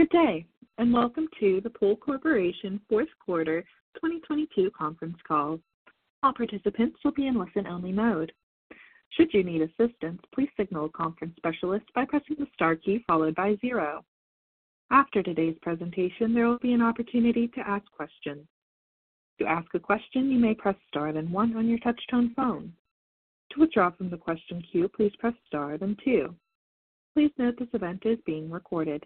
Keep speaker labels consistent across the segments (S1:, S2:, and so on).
S1: Good day, welcome to the Pool Corporation fourth quarter 2022 conference call. All participants will be in listen-only mode. Should you need assistance, please signal a conference specialist by pressing the star key followed by zero. After today's presentation, there will be an opportunity to ask questions. To ask a question, you may press star then one on your touch-tone phone. To withdraw from the question queue, please press star then two. Please note this event is being recorded.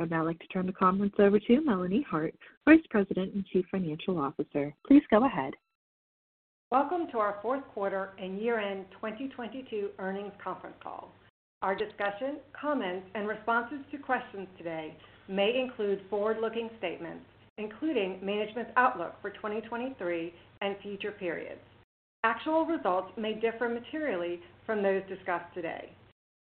S1: I'd now like to turn the conference over to Melanie Hart, Vice President and Chief Financial Officer. Please go ahead.
S2: Welcome to our fourth quarter and year-end 2022 earnings conference call. Our discussion, comments, and responses to questions today may include forward-looking statements, including management's outlook for 2023 and future periods. Actual results may differ materially from those discussed today.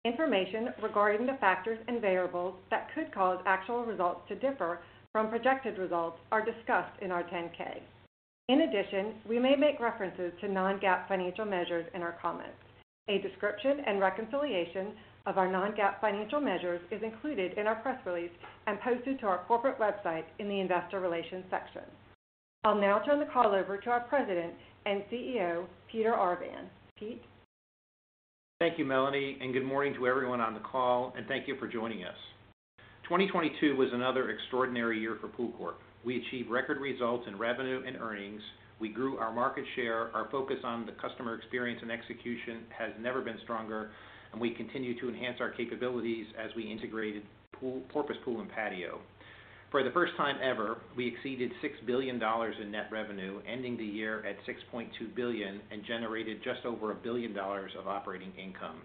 S2: Information regarding the factors and variables that could cause actual results to differ from projected results are discussed in our 10-K. In addition, we may make references to non-GAAP financial measures in our comments. A description and reconciliation of our non-GAAP financial measures is included in our press release and posted to our corporate website in the Investor Relations section. I'll now turn the call over to our President and CEO, Peter Arvan. Pete?
S3: Thank you, Melanie, and good morning to everyone on the call, and thank you for joining us. 2022 was another extraordinary year for POOLCORP. We achieved record results in revenue and earnings. We grew our market share. Our focus on the customer experience and execution has never been stronger, and we continue to enhance our capabilities as we integrated Porpoise Pool & Patio. For the first time ever, we exceeded $6 billion in net revenue, ending the year at $6.2 billion and generated just over $1 billion of operating income.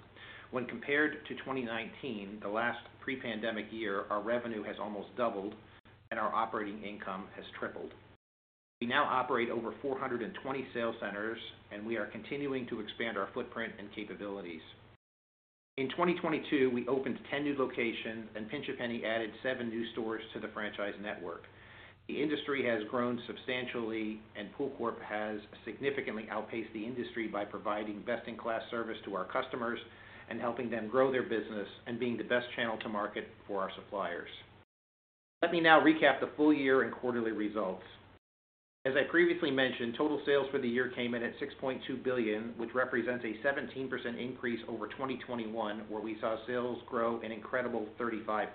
S3: When compared to 2019, the last pre-pandemic year, our revenue has almost doubled and our operating income has tripled. We now operate over 420 sales centers, and we are continuing to expand our footprint and capabilities. In 2022, we opened 10 new locations and Pinch A Penny added seven new stores to the franchise network. The industry has grown substantially, and POOLCORP has significantly outpaced the industry by providing best in class service to our customers and helping them grow their business and being the best channel to market for our suppliers. Let me now recap the full year and quarterly results. As I previously mentioned, total sales for the year came in at $6.2 billion, which represents a 17% increase over 2021, where we saw sales grow an incredible 35%.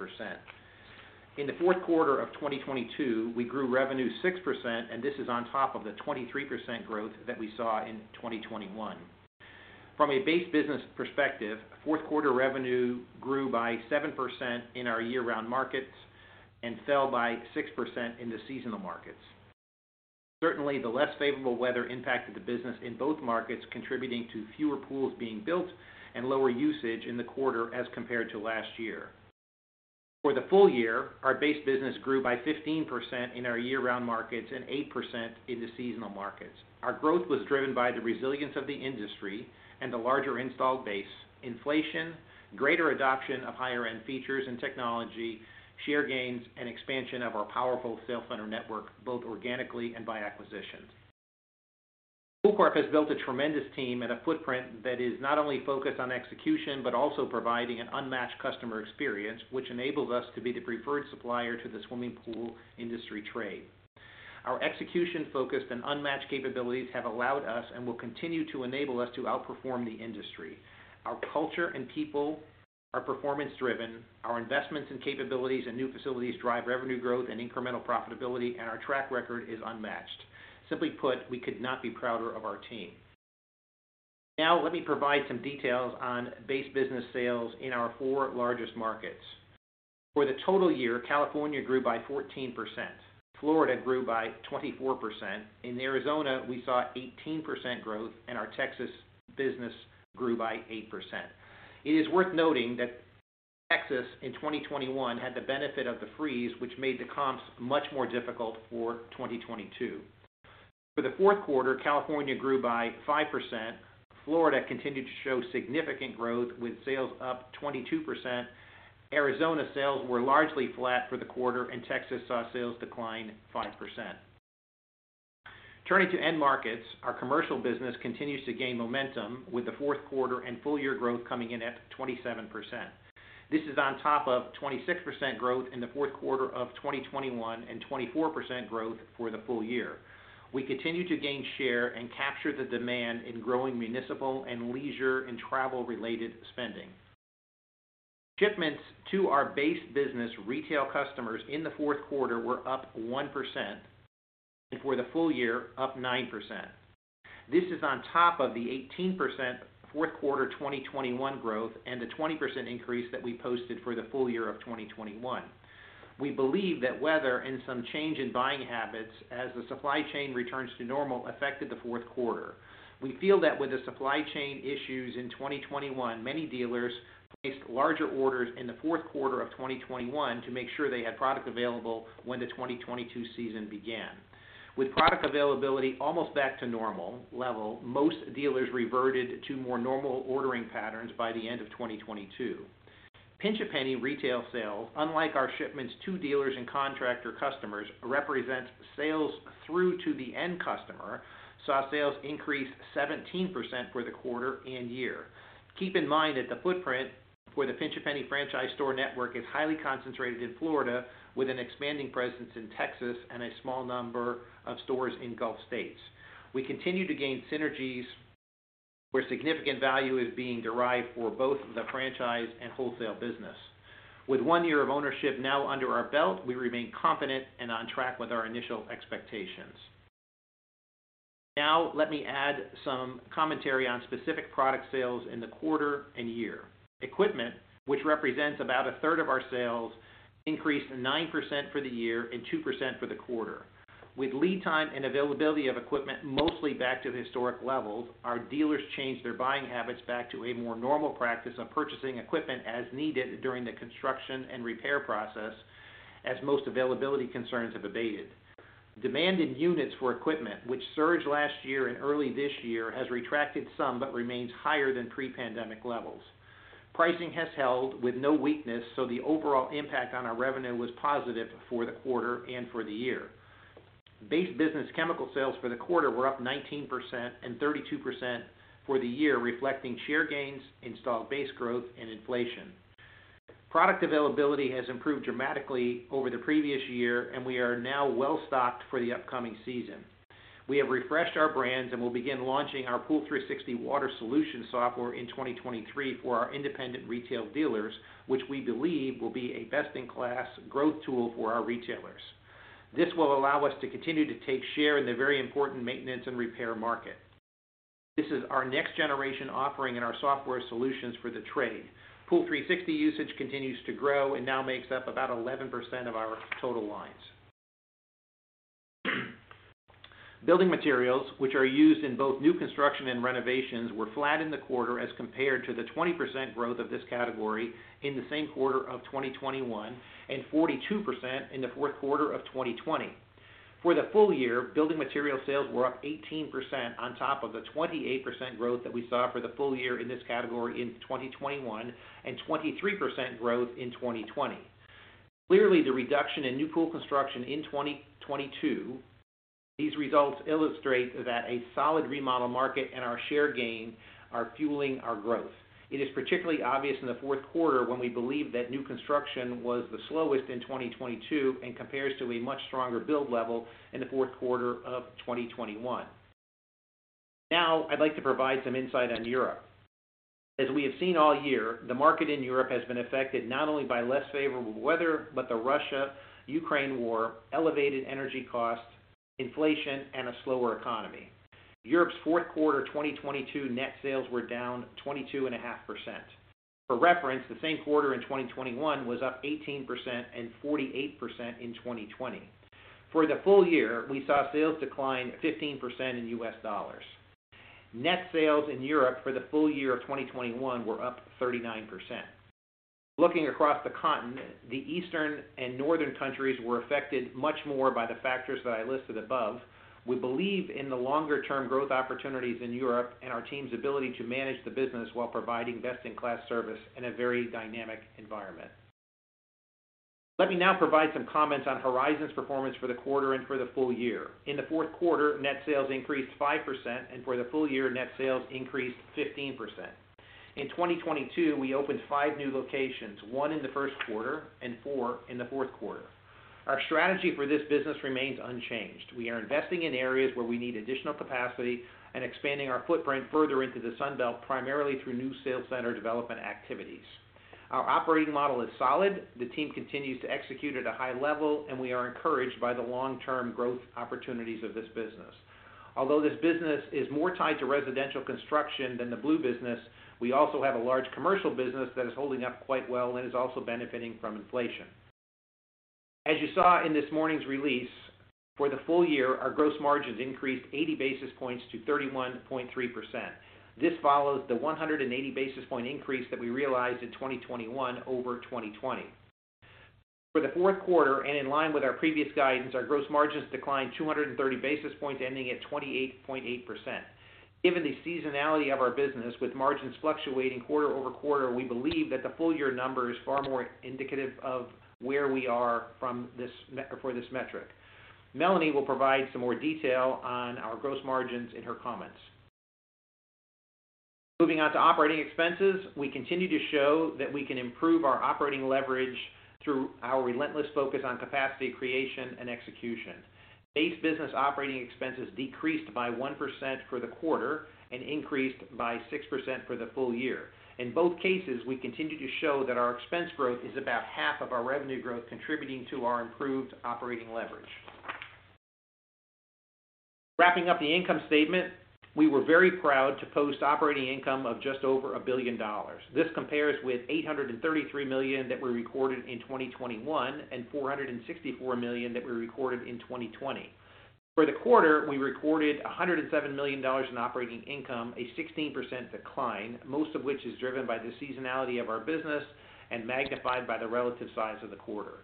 S3: In the fourth quarter of 2022, we grew revenue 6%, and this is on top of the 23% growth that we saw in 2021. From a base business perspective, fourth quarter revenue grew by 7% in our year-round markets and fell by 6% in the seasonal markets. Certainly, the less favorable weather impacted the business in both markets, contributing to fewer pools being built and lower usage in the quarter as compared to last year. For the full year, our base business grew by 15% in our year-round markets and 8% in the seasonal markets. Our growth was driven by the resilience of the industry and the larger installed base, inflation, greater adoption of higher end features and technology, share gains, and expansion of our powerful sales center network, both organically and by acquisitions. POOLCORP has built a tremendous team and a footprint that is not only focused on execution, but also providing an unmatched customer experience, which enables us to be the preferred supplier to the swimming pool industry trade. Our execution focused and unmatched capabilities have allowed us and will continue to enable us to outperform the industry. Our culture and people are performance-driven. Our investments in capabilities and new facilities drive revenue growth and incremental profitability, and our track record is unmatched. Simply put, we could not be prouder of our team. Now let me provide some details on base business sales in our four largest markets. For the total year, California grew by 14%. Florida grew by 24%. In Arizona, we saw 18% growth, and our Texas business grew by 8%. It is worth noting that Texas in 2021 had the benefit of the freeze, which made the comps much more difficult for 2022. For the fourth quarter, California grew by 5%. Florida continued to show significant growth with sales up 22%. Arizona sales were largely flat for the quarter, Texas saw sales decline 5%. Turning to end markets, our commercial business continues to gain momentum with the fourth quarter and full year growth coming in at 27%. This is on top of 26% growth in the fourth quarter of 2021 and 24% growth for the full year. We continue to gain share and capture the demand in growing municipal-, leisure-, and travel-related spending. Shipments to our base business retail customers in the fourth quarter were up 1% and for the full year up 9%. This is on top of the 18% fourth quarter 2021 growth and the 20% increase that we posted for the full year of 2021. We believe that weather and some change in buying habits as the supply chain returns to normal affected the fourth quarter. We feel that with the supply chain issues in 2021, many dealers placed larger orders in the fourth quarter of 2021 to make sure they had product available when the 2022 season began. With product availability almost back to normal level, most dealers reverted to more normal ordering patterns by the end of 2022. Pinch A Penny retail sales, unlike our shipments to dealers and contractor customers, represents sales through to the end customer, saw sales increase 17% for the quarter and year. Keep in mind that the footprint where the Pinch A Penny franchise store network is highly concentrated in Florida, with an expanding presence in Texas and a small number of stores in Gulf states. We continue to gain synergies where significant value is being derived for both the franchise and wholesale business. With one year of ownership now under our belt, we remain confident and on track with our initial expectations. Let me add some commentary on specific product sales in the quarter and year. Equipment, which represents about 1/3 of our sales, increased 9% for the year and 2% for the quarter. With lead time and availability of equipment mostly back to the historic levels, our dealers changed their buying habits back to a more normal practice of purchasing equipment as needed during the construction and repair process, as most availability concerns have abated. Demand in units for equipment, which surged last year and early this year, has retracted some but remains higher than pre-pandemic levels. Pricing has held with no weakness, the overall impact on our revenue was positive for the quarter and for the year. Base business chemical sales for the quarter were up 19% and 32% for the year, reflecting share gains, installed base growth, and inflation. Product availability has improved dramatically over the previous year, and we are now well-stocked for the upcoming season. We have refreshed our brands and will begin launching our Pool360 Water Solutions software in 2023 for our independent retail dealers, which we believe will be a best-in-class growth tool for our retailers. This will allow us to continue to take share in the very important maintenance and repair market. This is our next generation offering in our software solutions for the trade. Pool360 usage continues to grow and now makes up about 11% of our total lines. Building materials, which are used in both new construction and renovations, were flat in the quarter as compared to the 20% growth of this category in the same quarter of 2021 and 42% in the fourth quarter of 2020. For the full year, building material sales were up 18% on top of the 28% growth that we saw for the full year in this category in 2021 and 23% growth in 2020. Clearly, the reduction in new pool construction in 2022, these results illustrate that a solid remodel market and our share gain are fueling our growth. It is particularly obvious in the fourth quarter, when we believe that new construction was the slowest in 2022 and compares to a much stronger build level in the fourth quarter of 2021. I'd like to provide some insight on Europe. As we have seen all year, the market in Europe has been affected not only by less favorable weather, but the Russia-Ukraine war, elevated energy costs, inflation, and a slower economy. Europe's fourth quarter 2022 net sales were down 22.5%. For reference, the same quarter in 2021 was up 18% and 48% in 2020. For the full year, we saw sales decline 15% in U.S. dollars. Net sales in Europe for the full year of 2021 were up 39%. Looking across the continent, the eastern and northern countries were affected much more by the factors that I listed above. We believe in the longer term growth opportunities in Europe and our team's ability to manage the business while providing best-in-class service in a very dynamic environment. Let me now provide some comments on Horizon's performance for the quarter and for the full year. In the fourth quarter, net sales increased 5%, and for the full year, net sales increased 15%. In 2022, we opened five new locations, one in the first quarter and four in the fourth quarter. Our strategy for this business remains unchanged. We are investing in areas where we need additional capacity and expanding our footprint further into the Sunbelt, primarily through new sales center development activities. Our operating model is solid. The team continues to execute at a high level, and we are encouraged by the long-term growth opportunities of this business. Although this business is more tied to residential construction than the blue business, we also have a large commercial business that is holding up quite well and is also benefiting from inflation. As you saw in this morning's release, for the full year, our gross margins increased 80 basis points to 31.3%. This follows the 180 basis point increase that we realized in 2021 over 2020. For the fourth quarter and in line with our previous guidance, our gross margins declined 230 basis points, ending at 28.8%. Given the seasonality of our business, with margins fluctuating quarter-over-quarter, we believe that the full year number is far more indicative of where we are for this metric. Melanie will provide some more detail on our gross margins in her comments. Moving on to operating expenses. We continue to show that we can improve our operating leverage through our relentless focus on capacity creation and execution. Base business operating expenses decreased by 1% for the quarter and increased by 6% for the full year. In both cases, we continue to show that our expense growth is about half of our revenue growth, contributing to our improved operating leverage. Wrapping up the income statement, we were very proud to post operating income of just over $1 billion. This compares with $833 million that we recorded in 2021 and $464 million that we recorded in 2020. For the quarter, we recorded $107 million in operating income, a 16% decline, most of which is driven by the seasonality of our business and magnified by the relative size of the quarter.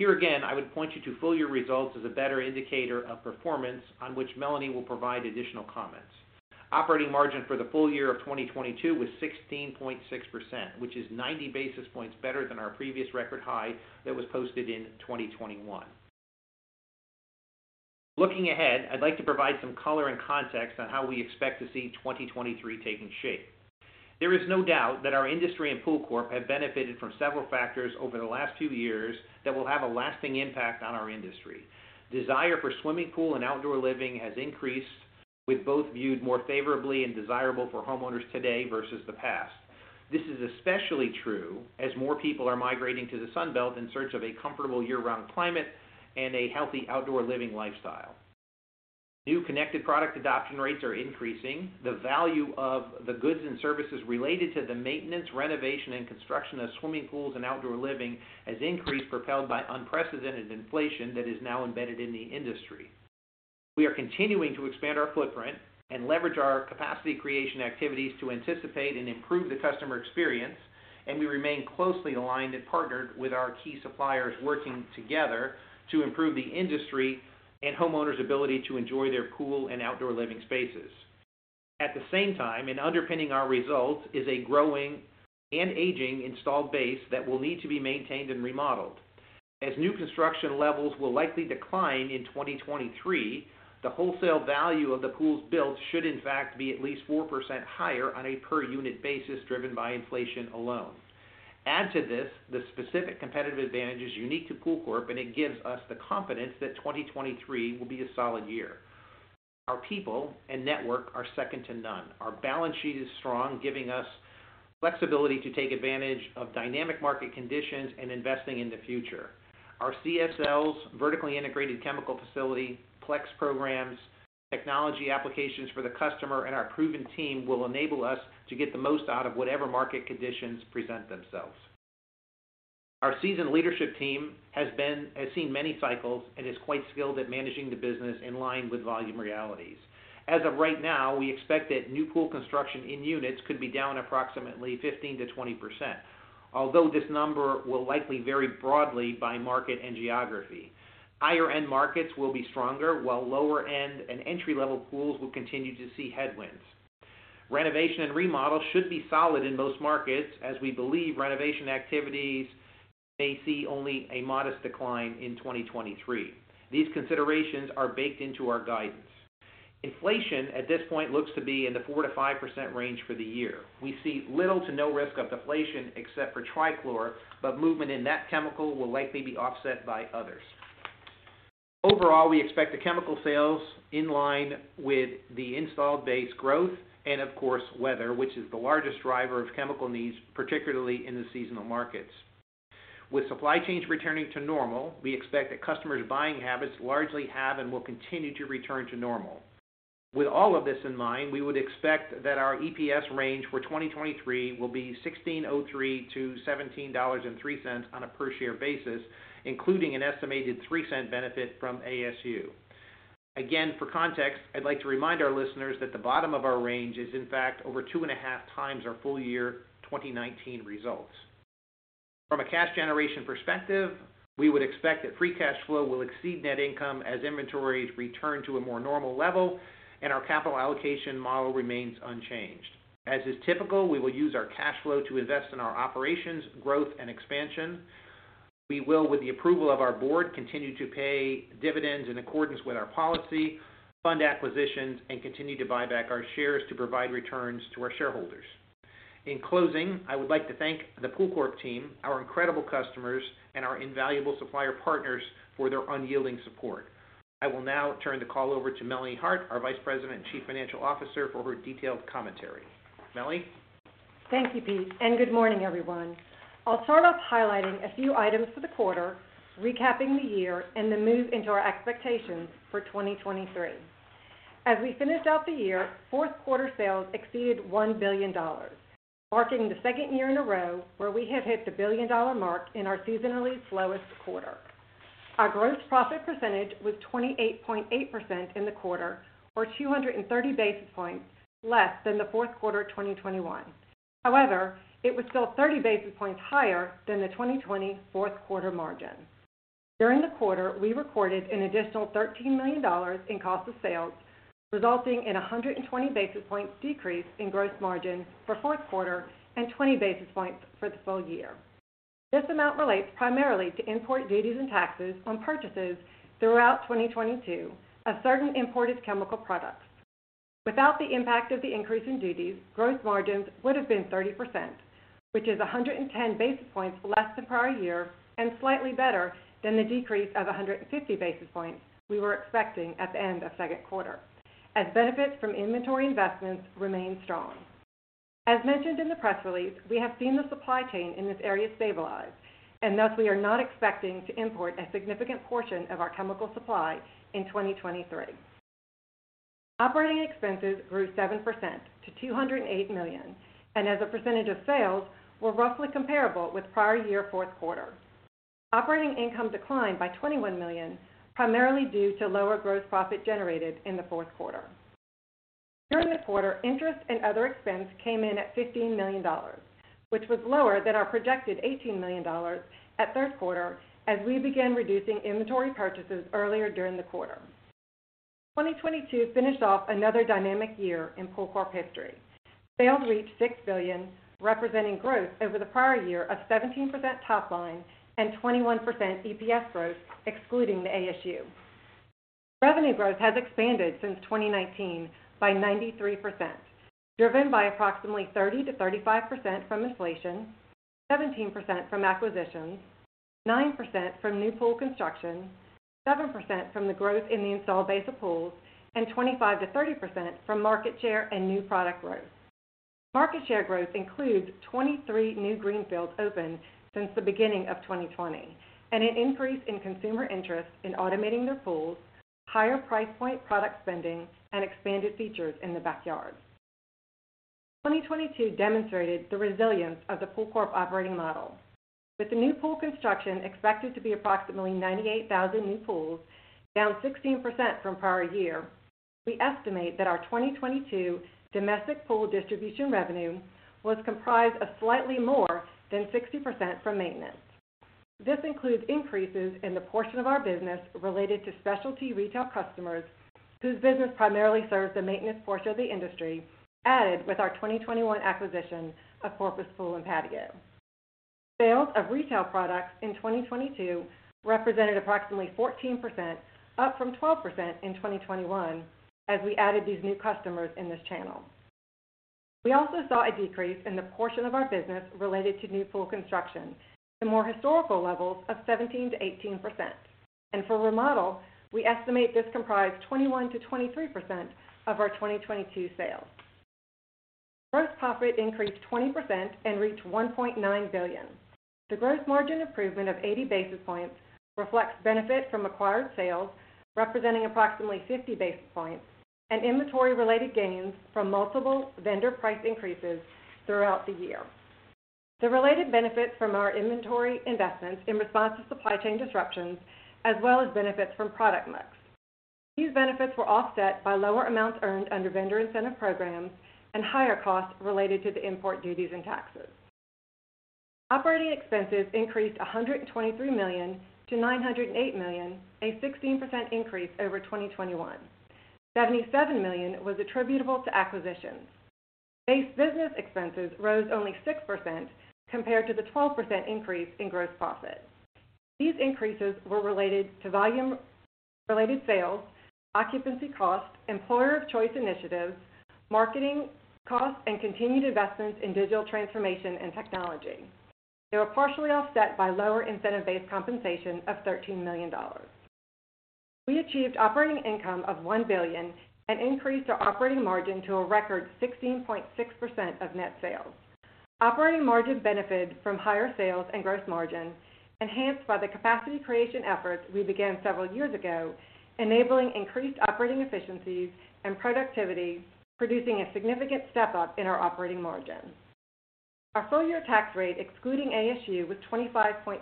S3: Here again, I would point you to full year results as a better indicator of performance on which Melanie will provide additional comments. Operating margin for the full year of 2022 was 16.6%, which is 90 basis points better than our previous record high that was posted in 2021. Looking ahead, I'd like to provide some color and context on how we expect to see 2023 taking shape. There is no doubt that our industry and POOLCORP have benefited from several factors over the last few years that will have a lasting impact on our industry. Desire for swimming pool and outdoor living has increased, with both viewed more favorably and desirable for homeowners today versus the past. This is especially true as more people are migrating to the Sunbelt in search of a comfortable year-round climate and a healthy outdoor living lifestyle. New connected product adoption rates are increasing. The value of the goods and services related to the maintenance, renovation, and construction of swimming pools and outdoor living has increased, propelled by unprecedented inflation that is now embedded in the industry. We are continuing to expand our footprint and leverage our capacity-creation activities to anticipate and improve the customer experience. We remain closely aligned and partnered with our key suppliers working together to improve the industry and homeowners' ability to enjoy their pool and outdoor living spaces. At the same time, underpinning our results is a growing and aging installed base that will need to be maintained and remodeled. As new construction levels will likely decline in 2023, the wholesale value of the pools built should in fact be at least 4% higher on a per unit basis, driven by inflation alone. Add to this the specific competitive advantages unique to POOLCORP, it gives us the confidence that 2023 will be a solid year. Our people and network are second to none. Our balance sheet is strong, giving us flexibility to take advantage of dynamic market conditions and investing in the future. Our CSLs, vertically-integrated chemical facility, PLEX programs, technology applications for the customer, and our proven team will enable us to get the most out of whatever market conditions present themselves. Our seasoned leadership team has seen many cycles and is quite skilled at managing the business in line with volume realities. As of right now, we expect that new pool construction in units could be down approximately 15%-20%, although this number will likely vary broadly by market and geography. Higher end markets will be stronger, while lower end and entry-level pools will continue to see headwinds. Renovation and remodel should be solid in most markets, as we believe renovation activities may see only a modest decline in 2023. These considerations are baked into our guidance. Inflation at this point looks to be in the 4%-5% range for the year. We see little to no risk of deflation except for trichlor, but movement in that chemical will likely be offset by others. Overall, we expect the chemical sales in line with the installed base growth and of course, weather, which is the largest driver of chemical needs, particularly in the seasonal markets. With supply chains returning to normal, we expect that customers' buying habits largely have and will continue to return to normal. With all of this in mind, we would expect that our EPS range for 2023 will be $16.03-$17.03 on a per share basis, including an estimated $0.03 benefit from ASU. Again, for context, I'd like to remind our listeners that the bottom of our range is in fact over 2.5x our full year 2019 results. From a cash generation perspective, we would expect that free cash flow will exceed net income as inventories return to a more normal level and our capital allocation model remains unchanged. As is typical, we will use our cash flow to invest in our operations, growth, and expansion. We will, with the approval of our board, continue to pay dividends in accordance with our policy, fund acquisitions, and continue to buy back our shares to provide returns to our shareholders. In closing, I would like to thank the POOLCORP team, our incredible customers, and our invaluable supplier partners for their unyielding support. I will now turn the call over to Melanie Hart, our Vice President and Chief Financial Officer, for her detailed commentary. Melanie?
S2: Thank you, Pete. Good morning, everyone. I'll start off highlighting a few items for the quarter, recapping the year, and then move into our expectations for 2023. As we finished out the year, fourth quarter sales exceeded $1 billion, marking the second year in a row where we have hit the billion-dollar mark in our seasonally slowest quarter. Our gross profit percentage was 28.8% in the quarter, or 230 basis points less than the fourth quarter of 2021. It was still 30 basis points higher than the 2020 fourth quarter margin. During the quarter, we recorded an additional $13 million in cost of sales, resulting in a 120 basis points decrease in gross margin for fourth quarter and 20 basis points for the full year. This amount relates primarily to import duties and taxes on purchases throughout 2022 of certain imported chemical products. Without the impact of the increase in duties, gross margins would have been 30%, which is 110 basis points less than prior year and slightly better than the decrease of 150 basis points we were expecting at the end of second quarter, as benefits from inventory investments remained strong. As mentioned in the press release, we have seen the supply chain in this area stabilize. Thus we are not expecting to import a significant portion of our chemical supply in 2023. Operating expenses grew 7% to $208 million, and as a percentage of sales were roughly comparable with prior year fourth quarter. Operating income declined by $21 million, primarily due to lower gross profit generated in the fourth quarter. During the quarter, interest and other expense came in at $15 million, which was lower than our projected $18 million at third quarter as we began reducing inventory purchases earlier during the quarter. 2022 finished off another dynamic year in POOLCORP history. Sales reached $6 billion, representing growth over the prior year of 17% top line and 21% EPS growth excluding the ASU. Revenue growth has expanded since 2019 by 93%, driven by approximately 30%-35% from inflation, 17% from acquisitions, 9% from new pool construction, 7% from the growth in the install base of pools, and 25%-30% from market share and new product growth. Market share growth includes 23 new greenfields opened since the beginning of 2020, and an increase in consumer interest in automating their pools, higher price point product spending, and expanded features in the backyard. 2022 demonstrated the resilience of the POOLCORP operating model. With the new pool construction expected to be approximately 98,000 new pools, down 16% from prior year, we estimate that our 2022 domestic pool distribution revenue was comprised of slightly more than 60% from maintenance. This includes increases in the portion of our business related to specialty retail customers whose business primarily serves the maintenance portion of the industry, added with our 2021 acquisition of Porpoise Pool & Patio. Sales of retail products in 2022 represented approximately 14%, up from 12% in 2021, as we added these new customers in this channel. We also saw a decrease in the portion of our business related to new pool construction to more historical levels of 17%-18%. For remodel, we estimate this comprised 21%-23% of our 2022 sales. Gross profit increased 20% and reached $1.9 billion. The gross margin improvement of 80 basis points reflects benefit from acquired sales, representing approximately 50 basis points, and inventory-related gains from multiple vendor price increases throughout the year. The related benefits from our inventory investments in response to supply chain disruptions as well as benefits from product mix. These benefits were offset by lower amounts earned under vendor incentive programs and higher costs related to the import duties and taxes. Operating expenses increased $123 million to $908 million, a 16% increase over 2021. $77 million was attributable to acquisitions. Base business expenses rose only 6% compared to the 12% increase in gross profit. These increases were related to volume-related sales, occupancy costs, employer of choice initiatives, marketing costs, and continued investments in digital transformation and technology. They were partially offset by lower incentive-based compensation of $13 million. We achieved operating income of $1 billion and increased our operating margin to a record 16.6% of net sales. Operating margin benefited from higher sales and gross margin, enhanced by the capacity creation efforts we began several years ago, enabling increased operating efficiencies and productivity, producing a significant step-up in our operating margin. Our full-year tax rate, excluding ASU, was 25.2%.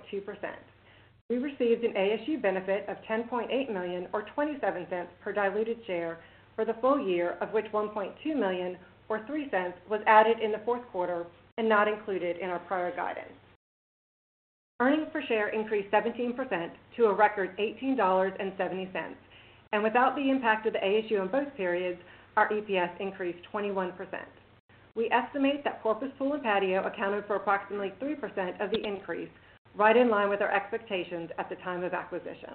S2: We received an ASU benefit of $10.8 million or $0.27 per diluted share for the full year, of which $1.2 million or $0.03 was added in the fourth quarter and not included in our prior guidance. Earnings per share increased 17% to a record $18.70. Without the impact of the ASU in both periods, our EPS increased 21%. We estimate that Porpoise Pool & Patio accounted for approximately 3% of the increase, right in line with our expectations at the time of acquisition.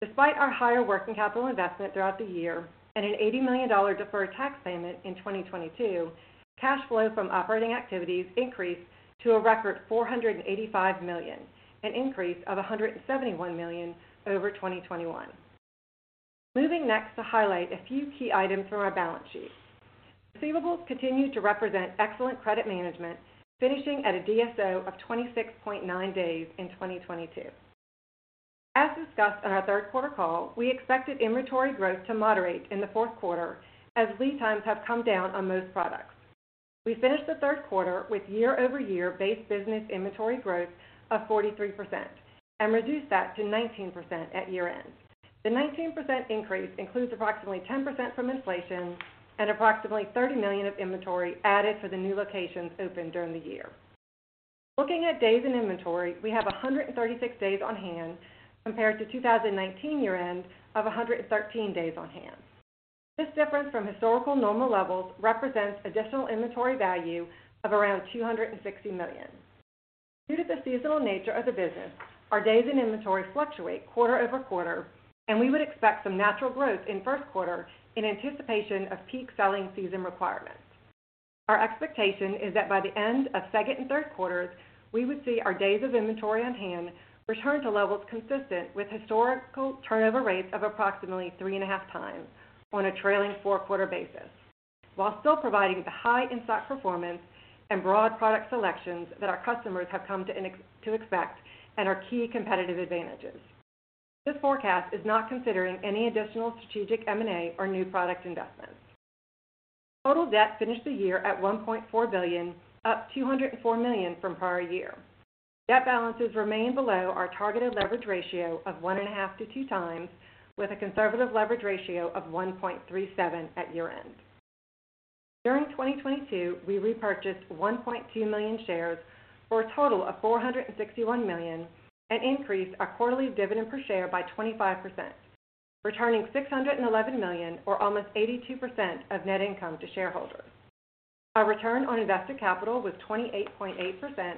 S2: Despite our higher working capital investment throughout the year and an $80 million deferred tax payment in 2022, cash flow from operating activities increased to a record $485 million, an increase of $171 million over 2021. Moving next to highlight a few key items from our balance sheet. Receivables continue to represent excellent credit management, finishing at a DSO of 26.9 days in 2022. As discussed on our third quarter call, we expected inventory growth to moderate in the fourth quarter as lead times have come down on most products. We finished the third quarter with year-over-year base business inventory growth of 43% and reduced that to 19% at year-end. The 19% increase includes approximately 10% from inflation and approximately $30 million of inventory added for the new locations opened during the year. Looking at days in inventory, we have 136 days on hand compared to 2019 year-end of 113 days on hand. This difference from historical normal levels represents additional inventory value of around $260 million. Due to the seasonal nature of the business, our days in inventory fluctuate quarter-over-quarter. We would expect some natural growth in first quarter in anticipation of peak selling season requirements. Our expectation is that by the end of second and third quarters, we would see our days of inventory on hand return to levels consistent with historical turnover rates of approximately 3.5x on a trailing four-quarter basis while still providing the high in-stock performance and broad product selections that our customers have come to expect and are key competitive advantages. This forecast is not considering any additional strategic M&A or new product investments. Total debt finished the year at $1.4 billion, up $204 million from prior year. Debt balances remain below our targeted leverage ratio of 1.5x-2x, with a conservative leverage ratio of 1.37 at year-end. During 2022, we repurchased 1.2 million shares for a total of $461 million, and increased our quarterly dividend per share by 25%, returning $611 million, or almost 82% of net income to shareholders. Our return on invested capital was 28.8%,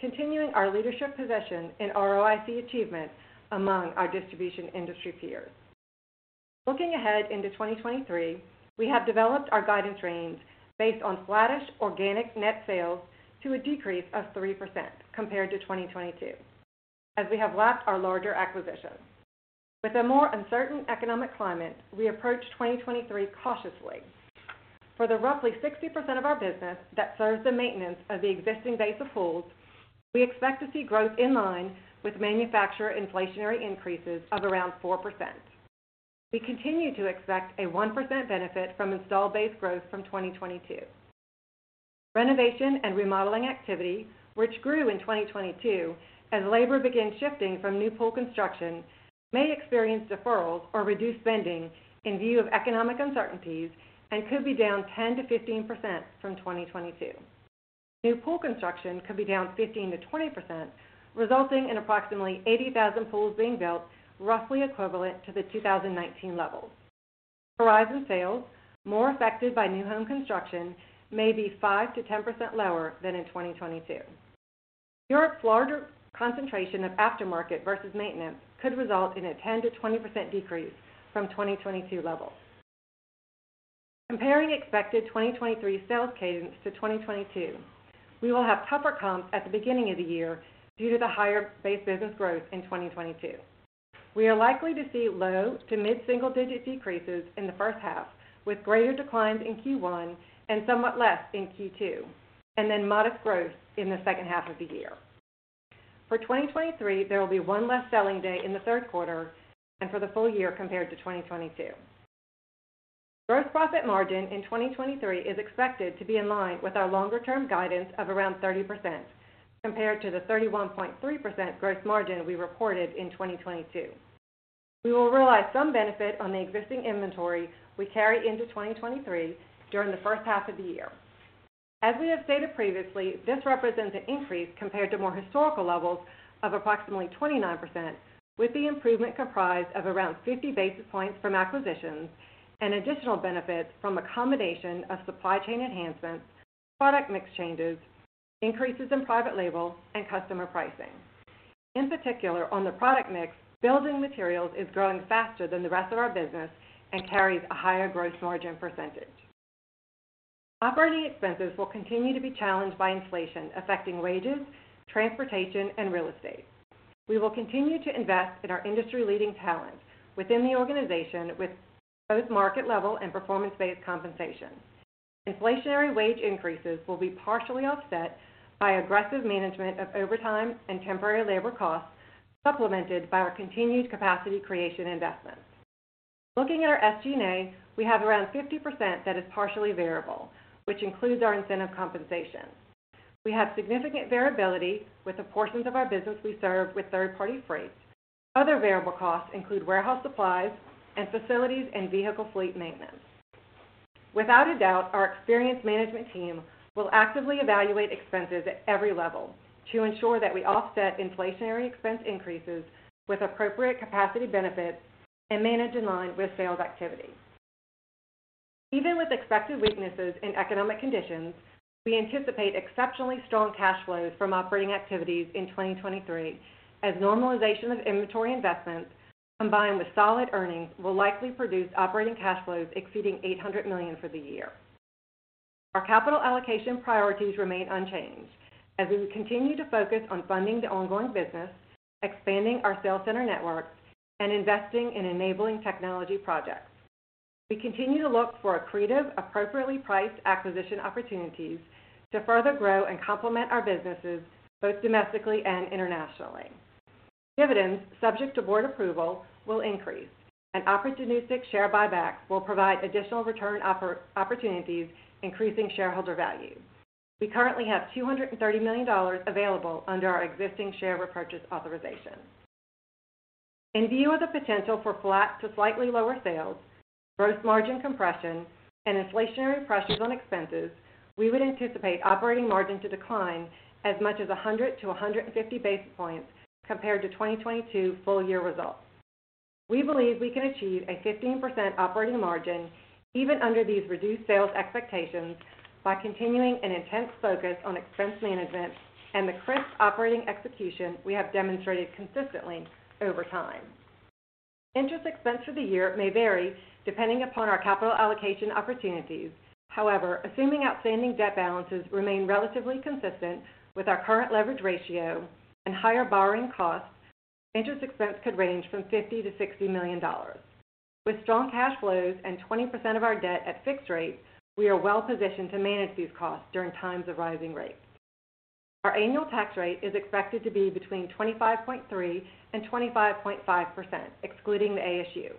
S2: continuing our leadership position in ROIC achievement among our distribution industry peers. Looking ahead into 2023, we have developed our guidance range based on flattish organic net sales to a decrease of 3% compared to 2022 as we have lapped our larger acquisitions. With a more uncertain economic climate, we approach 2023 cautiously. For the roughly 60% of our business that serves the maintenance of the existing base of pools, we expect to see growth in line with manufacturer inflationary increases of around 4%. We continue to expect a 1% benefit from install base growth from 2022. Renovation and remodeling activity, which grew in 2022 as labor began shifting from new pool construction, may experience deferrals or reduced spending in view of economic uncertainties and could be down 10%-15% from 2022. New pool construction could be down 15%-20%, resulting in approximately 80,000 pools being built, roughly equivalent to the 2019 levels. Horizon sales, more affected by new home construction, may be 5%-10% lower than in 2022. Europe's larger concentration of aftermarket versus maintenance could result in a 10%-20% decrease from 2022 levels. Comparing expected 2023 sales cadence to 2022, we will have tougher comps at the beginning of the year due to the higher base business growth in 2022. We are likely to see low- to mid-single-digit decreases in the first half, with greater declines in Q1 and somewhat less in Q2, and then modest growth in the second half of the year. 2023, there will be one less selling day in the third quarter and for the full year compared to 2022. Gross profit margin in 2023 is expected to be in line with our longer-term guidance of around 30% compared to the 31.3% gross margin we reported in 2022. We will realize some benefit on the existing inventory we carry into 2023 during the first half of the year. As we have stated previously, this represents an increase compared to more historical levels of approximately 29%, with the improvement comprised of around 50 basis points from acquisitions and additional benefits from a combination of supply chain enhancements, product mix changes, increases in private label, and customer pricing. In particular, on the product mix, building materials is growing faster than the rest of our business and carries a higher gross margin percentage. Operating expenses will continue to be challenged by inflation affecting wages, transportation, and real estate. We will continue to invest in our industry-leading talent within the organization with both market level and performance-based compensation. Inflationary wage increases will be partially offset by aggressive management of overtime and temporary labor costs, supplemented by our continued capacity creation investments. Looking at our SG&A, we have around 50% that is partially variable, which includes our incentive compensation. We have significant variability with the portions of our business we serve with third-party freight. Other variable costs include warehouse supplies and facilities and vehicle fleet maintenance. Without a doubt, our experienced management team will actively evaluate expenses at every level to ensure that we offset inflationary expense increases with appropriate capacity benefits and manage in line with sales activity. Even with expected weaknesses in economic conditions, we anticipate exceptionally strong cash flows from operating activities in 2023 as normalization of inventory investments combined with solid earnings will likely produce operating cash flows exceeding $800 million for the year. Our capital allocation priorities remain unchanged as we continue to focus on funding the ongoing business, expanding our sales center network, and investing in enabling technology projects. We continue to look for accretive, appropriately priced acquisition opportunities to further grow and complement our businesses both domestically and internationally. Dividends subject to board approval will increase, and opportunistic share buybacks will provide additional return opportunities, increasing shareholder value. We currently have $230 million available under our existing share repurchase authorization. In view of the potential for flat to slightly lower sales, gross margin compression, and inflationary pressures on expenses, we would anticipate operating margin to decline as much as 100 basis points to 150 basis points compared to 2022 full-year results. We believe we can achieve a 15% operating margin even under these reduced sales expectations by continuing an intense focus on expense management and the crisp operating execution we have demonstrated consistently over time. Interest expense for the year may vary depending upon our capital allocation opportunities. However, assuming outstanding debt balances remain relatively consistent with our current leverage ratio and higher borrowing costs, interest expense could range from $50 million-$60 million. With strong cash flows and 20% of our debt at fixed rates, we are well positioned to manage these costs during times of rising rates. Our annual tax rate is expected to be between 25.3% and 25.5%, excluding the ASU.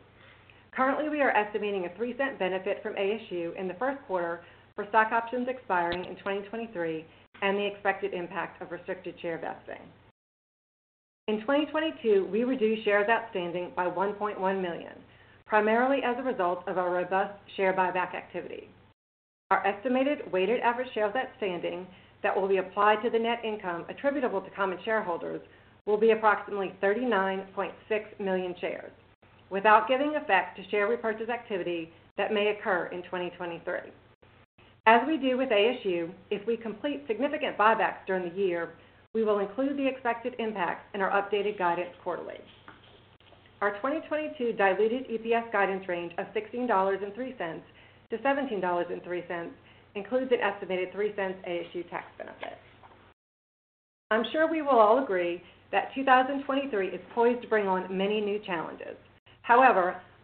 S2: Currently, we are estimating a $0.03 benefit from ASU in the first quarter for stock options expiring in 2023 and the expected impact of restricted share vesting. In 2022, we reduced shares outstanding by 1.1 million, primarily as a result of our robust share buyback activity. Our estimated weighted average shares outstanding that will be applied to the net income attributable to common shareholders will be approximately 39.6 million shares without giving effect to share repurchase activity that may occur in 2023. As we do with ASU, if we complete significant buybacks during the year, we will include the expected impact in our updated guidance quarterly. Our 2022 diluted EPS guidance range of $16.03-$17.03 includes an estimated $0.03 ASU tax benefit. I'm sure we will all agree that 2023 is poised to bring on many new challenges.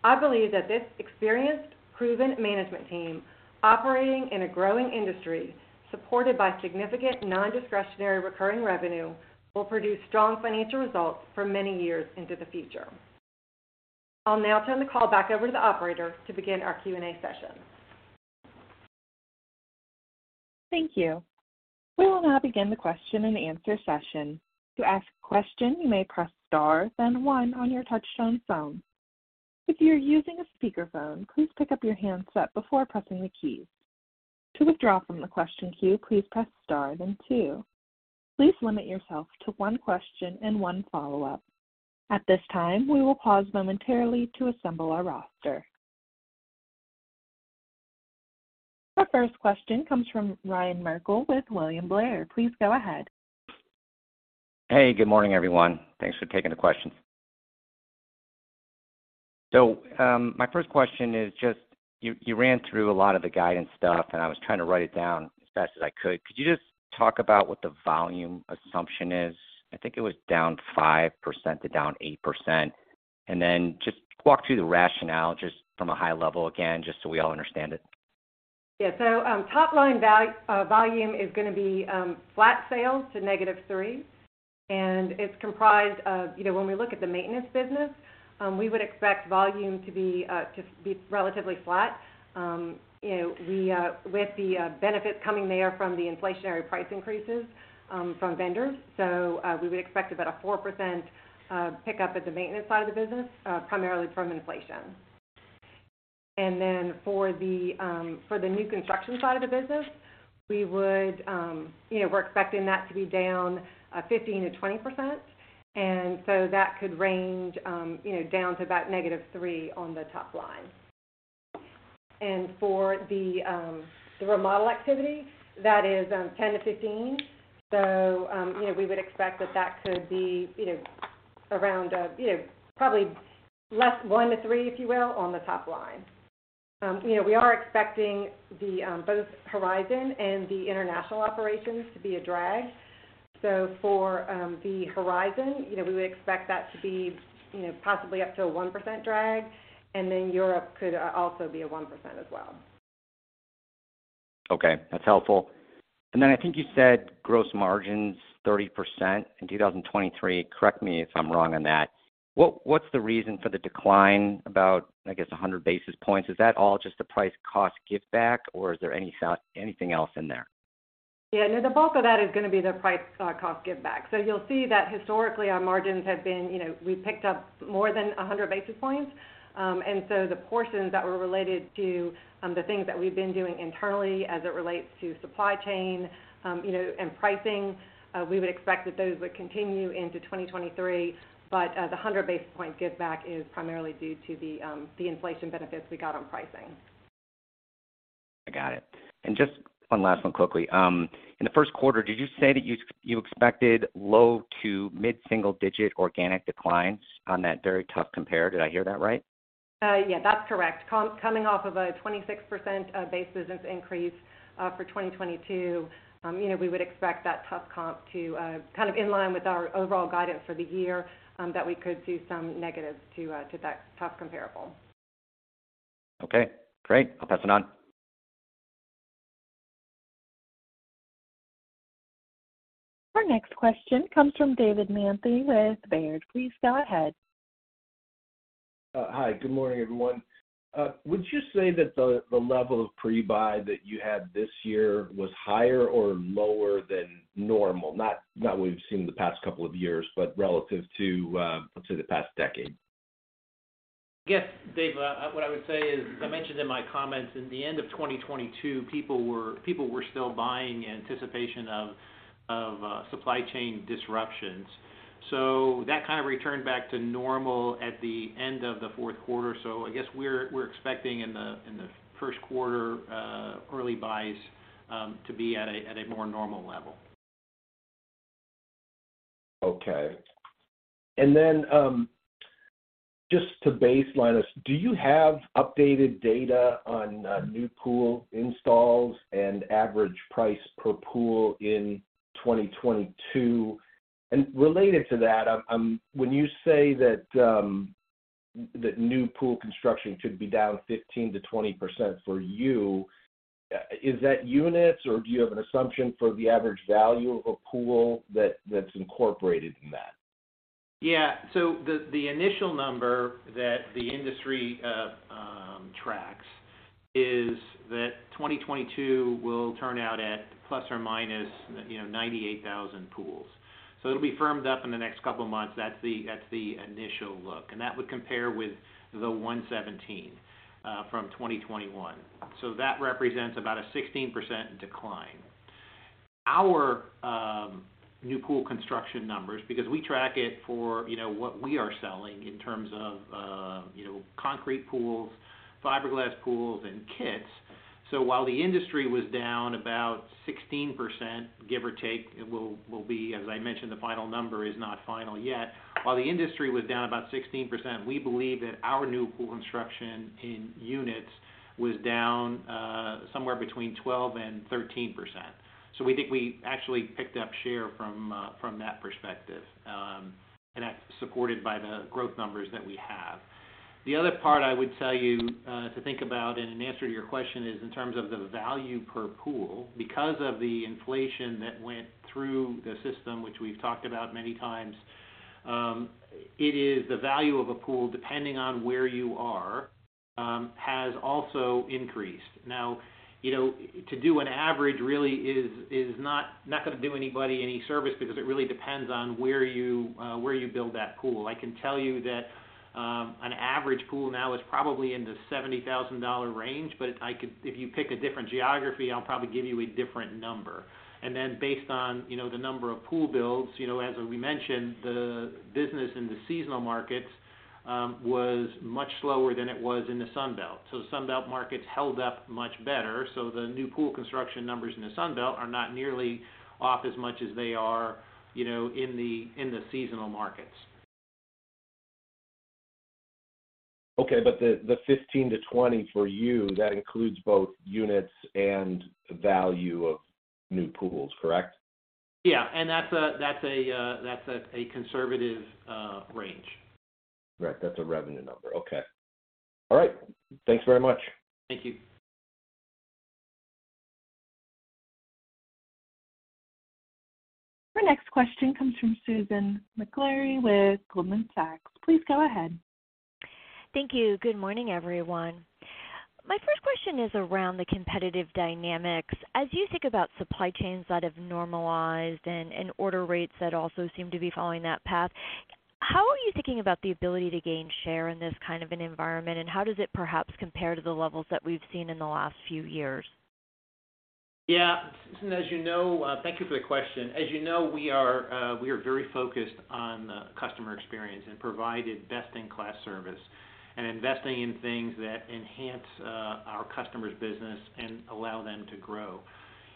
S2: I believe that this experienced, proven management team operating in a growing industry supported by significant non-discretionary recurring revenue will produce strong financial results for many years into the future. I'll now turn the call back over to the operator to begin our Q&A session.
S1: Thank you. We will now begin the question-and-answer session. To ask a question, you may press star, then one on your touch-tone phone. If you're using a speakerphone, please pick up your handset before pressing the keys. To withdraw from the question queue, please press star, then two. Please limit yourself to one question and one follow-up. At this time, we will pause momentarily to assemble our roster. Our first question comes from Ryan Merkel with William Blair. Please go ahead.
S4: Hey, good morning, everyone. Thanks for taking the question. My first question is just you ran through a lot of the guidance stuff, and I was trying to write it down as fast as I could. Could you just talk about what the volume assumption is? I think it was down 5% to down 8%. Just walk through the rationale just from a high level again, just so we all understand it.
S2: Yeah. Top line volume is gonna be flat sales to -3%, and it's comprised of, you know, when we look at the maintenance business, we would expect volume to be relatively flat. You know, we with the benefit coming there from the inflationary price increases from vendors. We would expect about a 4% pickup at the maintenance side of the business primarily from inflation. Then for the new construction side of the business, we would, you know, we're expecting that to be down 15%-20%. So that could range, you know, down to about -3% on the top line. For the remodel activity, that is 10%-15%. You know, we would expect that that could be, you know, around, you know, probably less 1%-3%, if you will, on the top line. You know, we are expecting the, both Horizon and the international operations to be a drag. For the Horizon, you know, we would expect that to be, you know, possibly up to a 1% drag, and then Europe could also be a 1% as well.
S4: Okay, that's helpful. I think you said gross margins 30% in 2023. Correct me if I'm wrong on that. What's the reason for the decline about, I guess, 100 basis points? Is that all just the price cost give-back, or is there anything else in there?
S2: Yeah. No, the bulk of that is gonna be the price cost give-back. You'll see that historically our margins have been, you know, we picked up more than 100 basis points. The portions that were related to the things that we've been doing internally as it relates to supply chain, you know, and pricing, we would expect that those would continue into 2023. The 100 basis point give-back is primarily due to the inflation benefits we got on pricing.
S4: I got it. Just one last one quickly. In the first quarter, did you say that you expected low- to mid-single digit organic declines on that very tough compare? Did I hear that right?
S2: Yeah, that's correct. Coming off of a 26% base business increase for 2022, you know, we would expect that tough comp to kind of in line with our overall guidance for the year, that we could see some negative to that tough comparable.
S4: Okay, great. I'll pass it on.
S1: Our next question comes from David Manthey with Baird. Please go ahead.
S5: Hi. Good morning, everyone. Would you say that the level of pre-buy that you had this year was higher or lower than normal, not what we've seen the past couple of years, but relative to, let's say, the past decade?
S3: Yes, Dave. What I would say is, as I mentioned in my comments, in the end of 2022, people were still buying in anticipation of supply chain disruptions. That kind of returned back to normal at the end of the fourth quarter. I guess we're expecting in the first quarter early buys to be at a more normal level.
S5: Okay. Just to baseline us, do you have updated data on new pool installs and average price per pool in 2022? Related to that, when you say that new pool construction could be down 15%-20% for you, is that units, or do you have an assumption for the average value of a pool that's incorporated in that?
S3: Yeah. The, the initial number that the industry tracks is that 2022 will turn out at ±, you know, 98,000 pools. It'll be firmed up in the next couple of months. That's the, that's the initial look, and that would compare with the 117 from 2021. That represents about a 16% decline. Our new pool construction numbers, because we track it for, you know, what we are selling in terms of, you know, concrete pools, fiberglass pools, and kits. While the industry was down about 16%, give or take, it will be as I mentioned, the final number is not final yet. While the industry was down about 16%, we believe that our new pool construction in units was down somewhere between 12% and 13%. We think we actually picked up share from that perspective, and that's supported by the growth numbers that we have. The other part I would tell you to think about and in answer to your question, is in terms of the value per pool, because of the inflation that went through the system, which we've talked about many times, it is the value of a pool, depending on where you are, has also increased. You know, to do an average really is not gonna do anybody any service because it really depends on where you build that pool. I can tell you that an average pool now is probably in the $70,000 range, but if you pick a different geography, I'll probably give you a different number. Based on, you know, the number of pool builds, you know, as we mentioned, the business in the seasonal markets was much slower than it was in the Sunbelt. The Sunbelt markets held up much better. The new pool construction numbers in the Sunbelt are not nearly off as much as they are, you know, in the seasonal markets.
S5: Okay. The 15-20 for you, that includes both units and value of new pools, correct?
S3: Yeah. That's a conservative range.
S5: Right. That's a revenue number. Okay. All right. Thanks very much.
S3: Thank you.
S1: Our next question comes from Susan Maklari with Goldman Sachs. Please go ahead.
S6: Thank you. Good morning, everyone. My first question is around the competitive dynamics. As you think about supply chains that have normalized and order rates that also seem to be following that path, how are you thinking about the ability to gain share in this kind of an environment, and how does it perhaps compare to the levels that we've seen in the last few years?
S3: Yeah. Susan, as you know, thank you for the question. As you know, we are, we are very focused on the customer experience and provided best-in-class service and investing in things that enhance our customers' business and allow them to grow.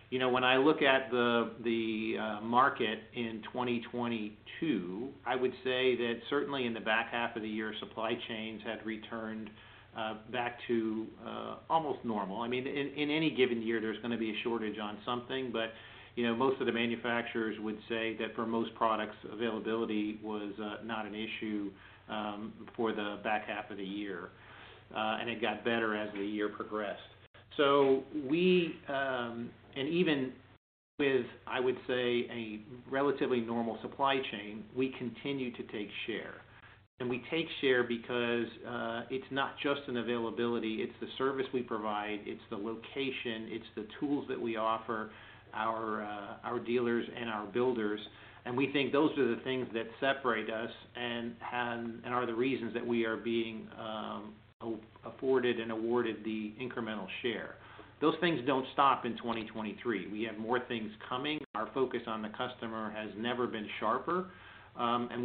S3: You know, when I look at the market in 2022, I would say that certainly in the back half of the year, supply chains had returned back to almost normal. I mean, in any given year, there's gonna be a shortage on something, but, you know, most of the manufacturers would say that for most products, availability was not an issue for the back half of the year, and it got better as the year progressed. We, and even with, I would say, a relatively normal supply chain, we continue to take share. We take share because it's not just an availability, it's the service we provide, it's the location, it's the tools that we offer our dealers and our builders. We think those are the things that separate us and are the reasons that we are being afforded and awarded the incremental share. Those things don't stop in 2023. We have more things coming. Our focus on the customer has never been sharper.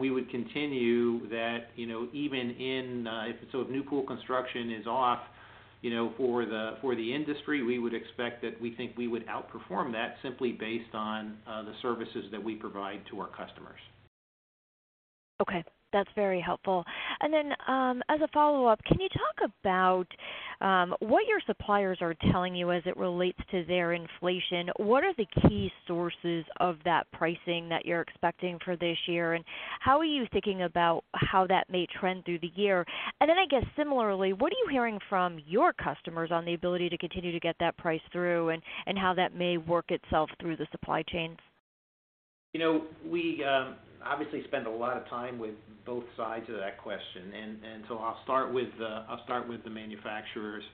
S3: We would continue that, you know, even in if so new pool construction is off, you know, for the industry, we would expect that we think we would outperform that simply based on the services that we provide to our customers.
S6: Okay. That's very helpful. As a follow-up, can you talk about what your suppliers are telling you as it relates to their inflation? What are the key sources of that pricing that you're expecting for this year, and how are you thinking about how that may trend through the year? I guess similarly, what are you hearing from your customers on the ability to continue to get that price through and how that may work itself through the supply chains?
S3: You know, we obviously spend a lot of time with both sides of that question. I'll start with the manufacturers.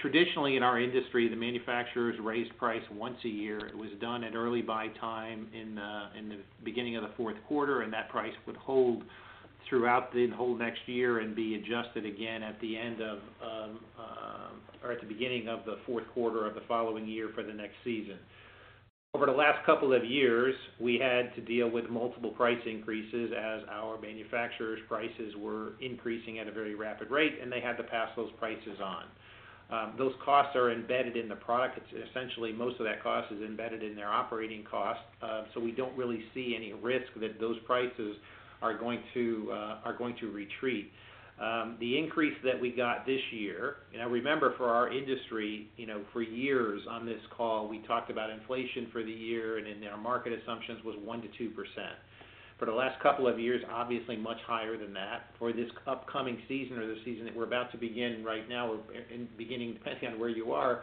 S3: Traditionally in our industry, the manufacturers raised price once a year. It was done at early buy time in the beginning of the fourth quarter, and that price would hold throughout the whole next year and be adjusted again at the end of, or at the beginning of the fourth quarter of the following year for the next season. Over the last couple of years, we had to deal with multiple price increases as our manufacturers' prices were increasing at a very rapid rate, and they had to pass those prices on. Those costs are embedded in the product. Essentially, most of that cost is embedded in their operating cost, so we don't really see any risk that those prices are going to, are going to retreat. The increase that we got this year. Now remember, for our industry, you know, for years on this call, we talked about inflation for the year and in our market assumptions was 1%-2%. For the last couple of years, obviously much higher than that. For this upcoming season or the season that we're about to begin right now or in beginning, depending on where you are,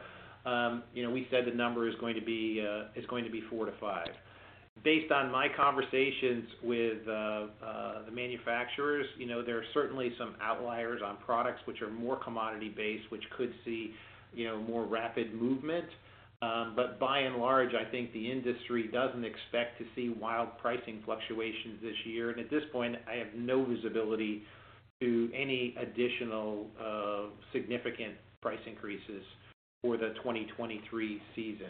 S3: you know, we said the number is going to be, is going to be 4%-5%. Based on my conversations with the manufacturers, you know, there are certainly some outliers on products which are more commodity-based, which could see, you know, more rapid movement. By and large, I think the industry doesn't expect to see wild pricing fluctuations this year. At this point, I have no visibility to any additional, significant price increases for the 2023 season.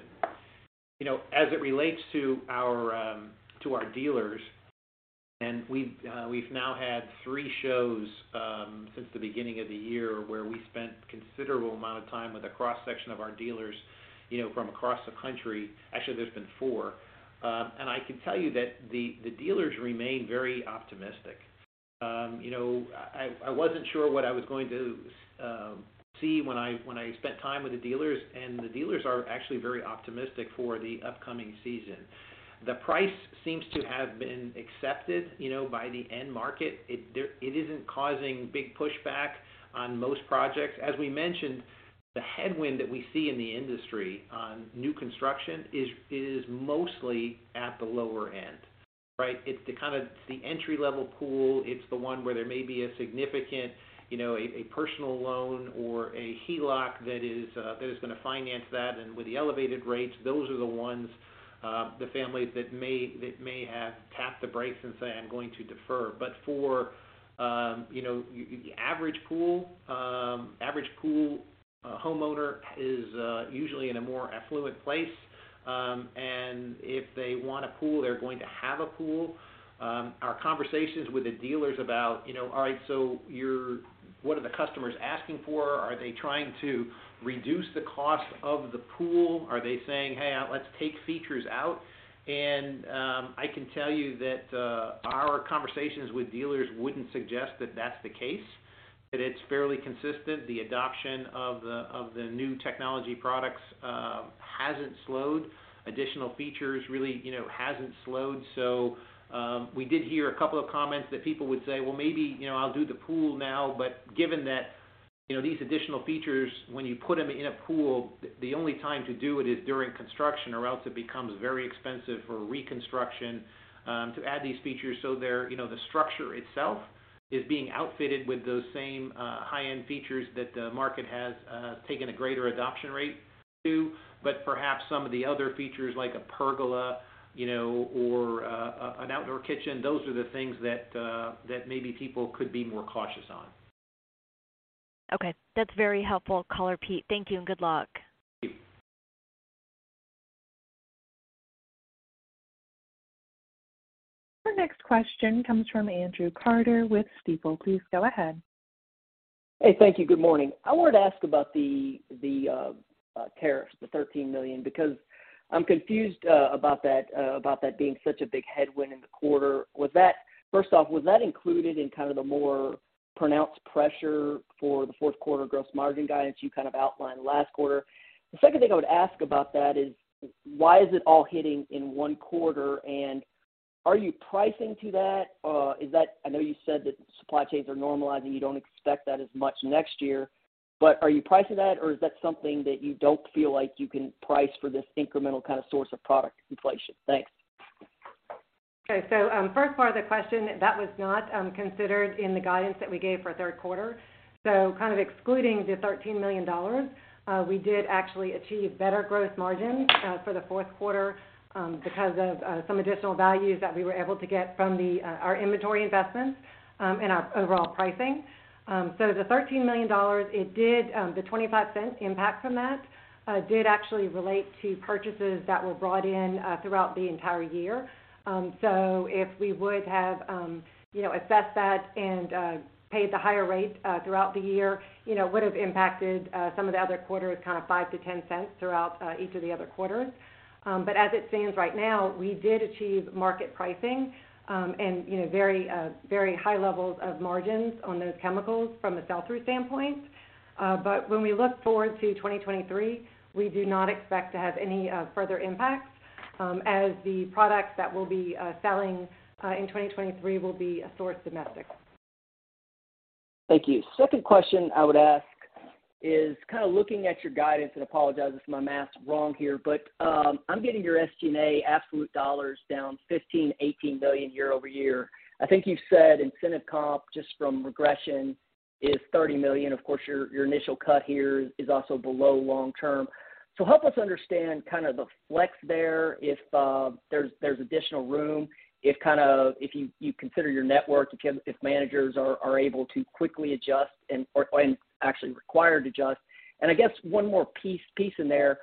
S3: You know, as it relates to our, to our dealers, and we've now had three shows, since the beginning of the year where we spent considerable amount of time with a cross-section of our dealers, you know, from across the country. Actually, there's been four. I can tell you that the dealers remain very optimistic. You know, I wasn't sure what I was going to see when I, when I spent time with the dealers, and the dealers are actually very optimistic for the upcoming season. The price seems to have been accepted, you know, by the end market. It isn't causing big pushback on most projects. As we mentioned, the headwind that we see in the industry on new construction is mostly at the lower end, right? It's the kind of the entry-level pool. It's the one where there may be a significant, you know, a personal loan or a HELOC that is gonna finance that. With the elevated rates, those are the ones the families that may have tapped the brakes and say, "I'm going to defer." For, you know, average pool homeowner is usually in a more affluent place, and if they want a pool, they're going to have a pool. Our conversations with the dealers about, you know, all right, what are the customers asking for? Are they trying to reduce the cost of the pool? Are they saying, "Hey, let's take features out"? I can tell you that our conversations with dealers wouldn't suggest that that's the case, that it's fairly consistent. The adoption of the new technology products hasn't slowed. Additional features really, you know, hasn't slowed. We did hear a couple of comments that people would say, "Well, maybe, you know, I'll do the pool now." Given that, you know, these additional features, when you put them in a pool, the only time to do it is during construction, or else it becomes very expensive for reconstruction to add these features. They're, you know, the structure itself is being outfitted with those same high-end features that the market has taken a greater adoption rate to. Perhaps some of the other features, like a pergola, you know, or an outdoor kitchen, those are the things that that maybe people could be more cautious on.
S6: Okay. That's very helpful color, Pete. Thank you and good luck.
S3: Thank you.
S1: Our next question comes from Andrew Carter with Stifel. Please go ahead.
S7: Hey, thank you. Good morning. I wanted to ask about the tariffs, the $13 million, because I'm confused about that, about that being such a big headwind in the quarter. First off, was that included in kind of the more pronounced pressure for the fourth quarter gross margin guidance you kind of outlined last quarter? The second thing I would ask about that is why is it all hitting in one quarter, and are you pricing to that? Is that— I know you said that supply chains are normalizing. You don't expect that as much next year, but are you pricing that, or is that something that you don't feel like you can price for this incremental kind of source of product inflation? Thanks.
S2: First part of the question, that was not considered in the guidance that we gave for third quarter. Kind of excluding the $13 million, we did actually achieve better gross margins for the fourth quarter because of some additional values that we were able to get from our inventory investments and our overall pricing. The $13 million, it did, the $0.25 impact from that did actually relate to purchases that were brought in throughout the entire year. If we would have, you know, assessed that and paid the higher rate throughout the year, you know, would have impacted some of the other quarters kind of $0.05-$0.10 throughout each of the other quarters. As it stands right now, we did achieve market pricing, and, you know, very, very high levels of margins on those chemicals from a sell-through standpoint. When we look forward to 2023, we do not expect to have any further impacts, as the products that we'll be selling in 2023 will be sourced domestic.
S7: Thank you. Second question I would ask is kind of looking at your guidance, and apologize if my math's wrong here, but, I'm getting your SG&A absolute dollars down $15 million-$18 million year-over-year. I think you've said incentive comp just from regression is $30 million. Of course, your initial cut here is also below long term. Help us understand kind of the flex there if, there's additional room if you consider your network, if managers are able to quickly adjust or, and actually required to adjust. I guess one more piece in there,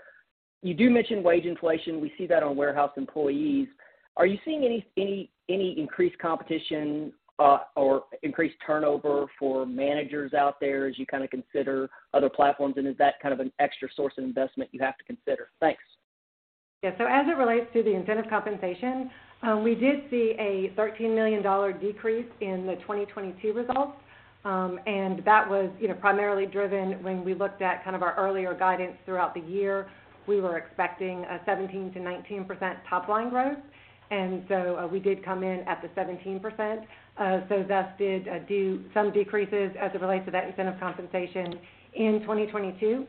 S7: you do mention wage inflation. We see that on warehouse employees. Are you seeing any increased competition, or increased turnover for managers out there as you kind of consider other platforms? Is that kind of an extra source of investment you have to consider? Thanks.
S2: Yeah. As it relates to the incentive compensation, we did see a $13 million decrease in the 2022 results. That was, you know, primarily driven when we looked at kind of our earlier guidance throughout the year. We were expecting a 17%-19% top line growth, we did come in at the 17%. Thus did do some decreases as it relates to that incentive compensation in 2022.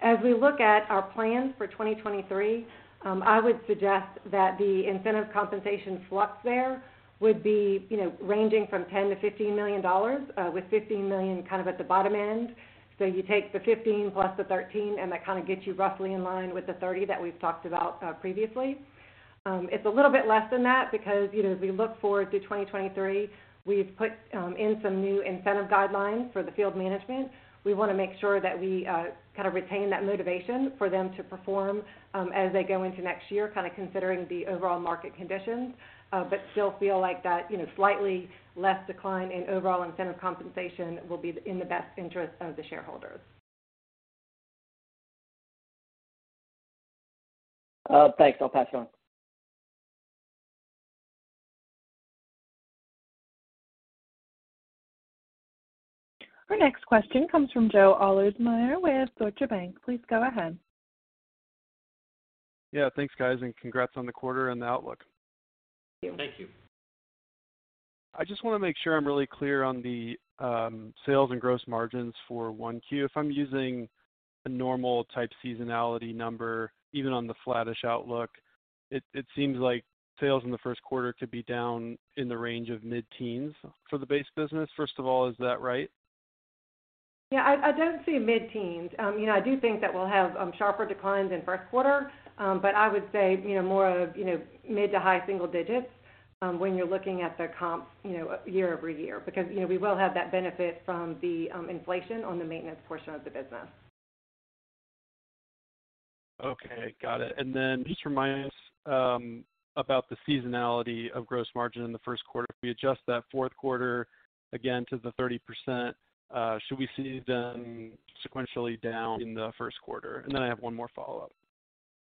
S2: As we look at our plans for 2023, I would suggest that the incentive compensation flux there would be, you know, ranging from $10 million-$15 million, with $15 million kind of at the bottom end. You take the $15 million plus the $13 million, that kind of gets you roughly in line with the $30 million that we've talked about previously. It's a little bit less than that because, you know, as we look forward to 2023, we've put in some new incentive guidelines for the field management. We wanna make sure that we kind of retain that motivation for them to perform as they go into next year, kind of considering the overall market conditions, but still feel like that, you know, slightly less decline in overall incentive compensation will be in the best interest of the shareholders.
S3: Thanks. I'll pass it on.
S1: Our next question comes from Joe Ahlersmeyer with Deutsche Bank. Please go ahead.
S8: Yeah, thanks, guys, and congrats on the quarter and the outlook.
S2: Thank you.
S3: Thank you.
S8: I just wanna make sure I'm really clear on the sales and gross margins for 1Q. If I'm using a normal type seasonality number, even on the flattish outlook, it seems like sales in the first quarter could be down in the range of mid-teens for the base business. First of all, is that right?
S2: Yeah, I don't see mid-teens. you know, I do think that we'll have sharper declines in first quarter, but I would say, you know, more of, you know, mid- to high-single digits, when you're looking at the comps, you know, year-over-year. We will have that benefit from the inflation on the maintenance portion of the business.
S8: Okay. Got it. Then just remind us about the seasonality of gross margin in the first quarter. If we adjust that fourth quarter again to the 30%, should we see them sequentially down in the first quarter? Then I have one more follow-up.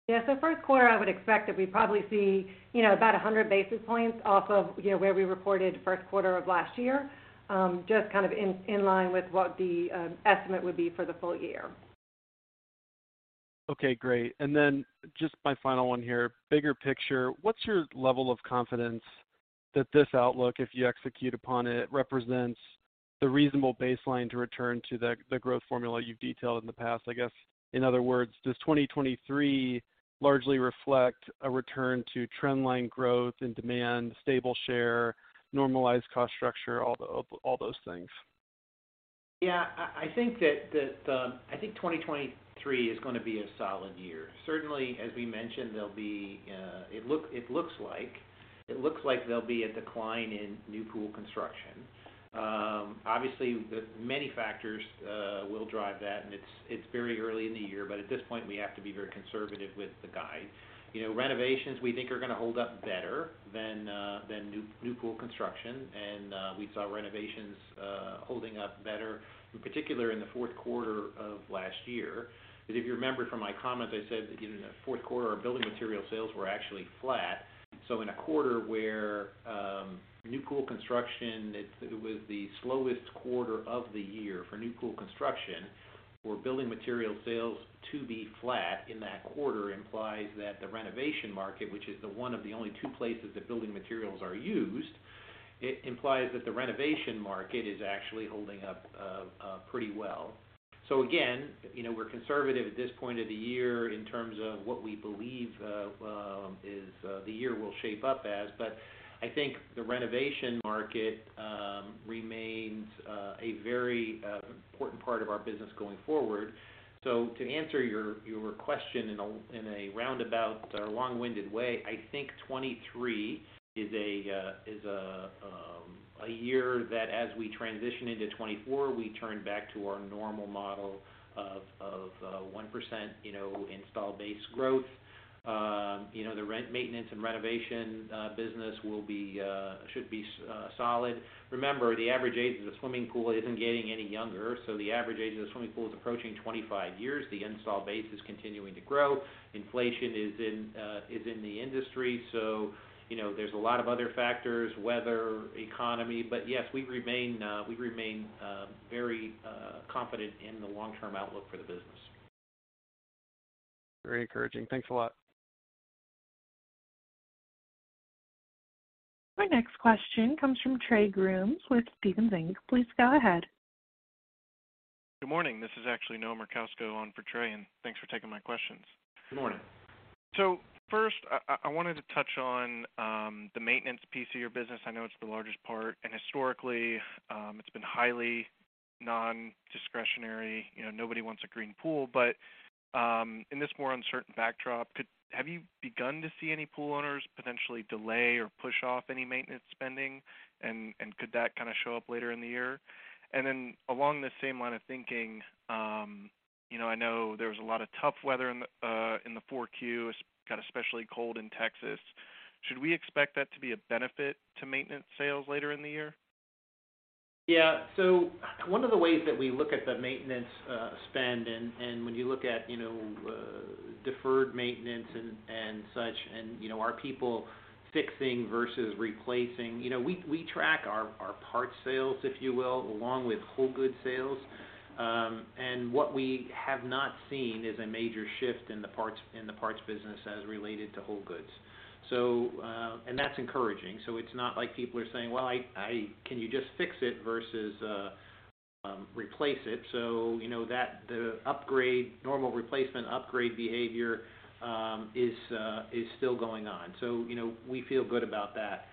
S2: Yeah. First quarter, I would expect that we probably see, you know, about 100 basis points off of, you know, where we reported first quarter of last year, just kind of in line with what the estimate would be for the full year.
S8: Okay, great. Just my final one here. Bigger picture, what's your level of confidence that this outlook, if you execute upon it, represents the reasonable baseline to return to the growth formula you've detailed in the past? I guess, in other words, does 2023 largely reflect a return to trend line growth and demand, stable share, normalized cost structure, all those things?
S3: I think that, I think 2023 is gonna be a solid year. Certainly, as we mentioned, there'll be, it looks like there'll be a decline in new pool construction. Obviously, many factors will drive that, and it's very early in the year. At this point, we have to be very conservative with the guide. You know, renovations, we think, are gonna hold up better than new pool construction. We saw renovations holding up better, in particular, in the fourth quarter of last year. If you remember from my comments, I said that, you know, in the fourth quarter, our building material sales were actually flat. In a quarter where new pool construction, it was the slowest quarter of the year for new pool construction for building material sales to be flat in that quarter implies that the renovation market, which is the one of the only two places that building materials are used, it implies that the renovation market is actually holding up pretty well. Again, you know, we're conservative at this point of the year in terms of what we believe the year will shape up as. I think the renovation market remains a very important part of our business going forward. To answer your question in a roundabout or long-winded way, I think 2023 is a year that as we transition into 2024, we turn back to our normal model of 1%, you know, install base growth. You know, the rent, maintenance, and renovation business will be— should be solid. Remember, the average age of the swimming pool isn't getting any younger, so the average age of the swimming pool is approaching 25 years. The install base is continuing to grow. Inflation is in the industry. You know, there's a lot of other factors, weather, economy. Yes, we remain very confident in the long-term outlook for the business.
S8: Very encouraging. Thanks a lot.
S1: Our next question comes from Trey Grooms with Stephens Inc. Please go ahead.
S9: Good morning. This is actually Noah Merkousko on for Trey, and thanks for taking my questions.
S3: Good morning.
S9: First, I wanted to touch on the maintenance piece of your business. I know it's the largest part, and historically, it's been highly non-discretionary. You know, nobody wants a green pool. In this more uncertain backdrop, have you begun to see any pool owners potentially delay or push off any maintenance spending? Could that kind of show up later in the year? Then along the same line of thinking, you know, I know there was a lot of tough weather in the, in the 4Q. It's got especially cold in Texas. Should we expect that to be a benefit to maintenance sales later in the year?
S3: Yeah. One of the ways that we look at the maintenance spend and when you look at, you know, deferred maintenance and such and, you know, are people fixing versus replacing. You know, we track our parts sales, if you will, along with whole goods sales. What we have not seen is a major shift in the parts business as related to whole goods. That's encouraging. It's not like people are saying, "Well, can you just fix it?", versus replace it. You know that the upgrade, normal replacement upgrade behavior, is still going on. You know, we feel good about that.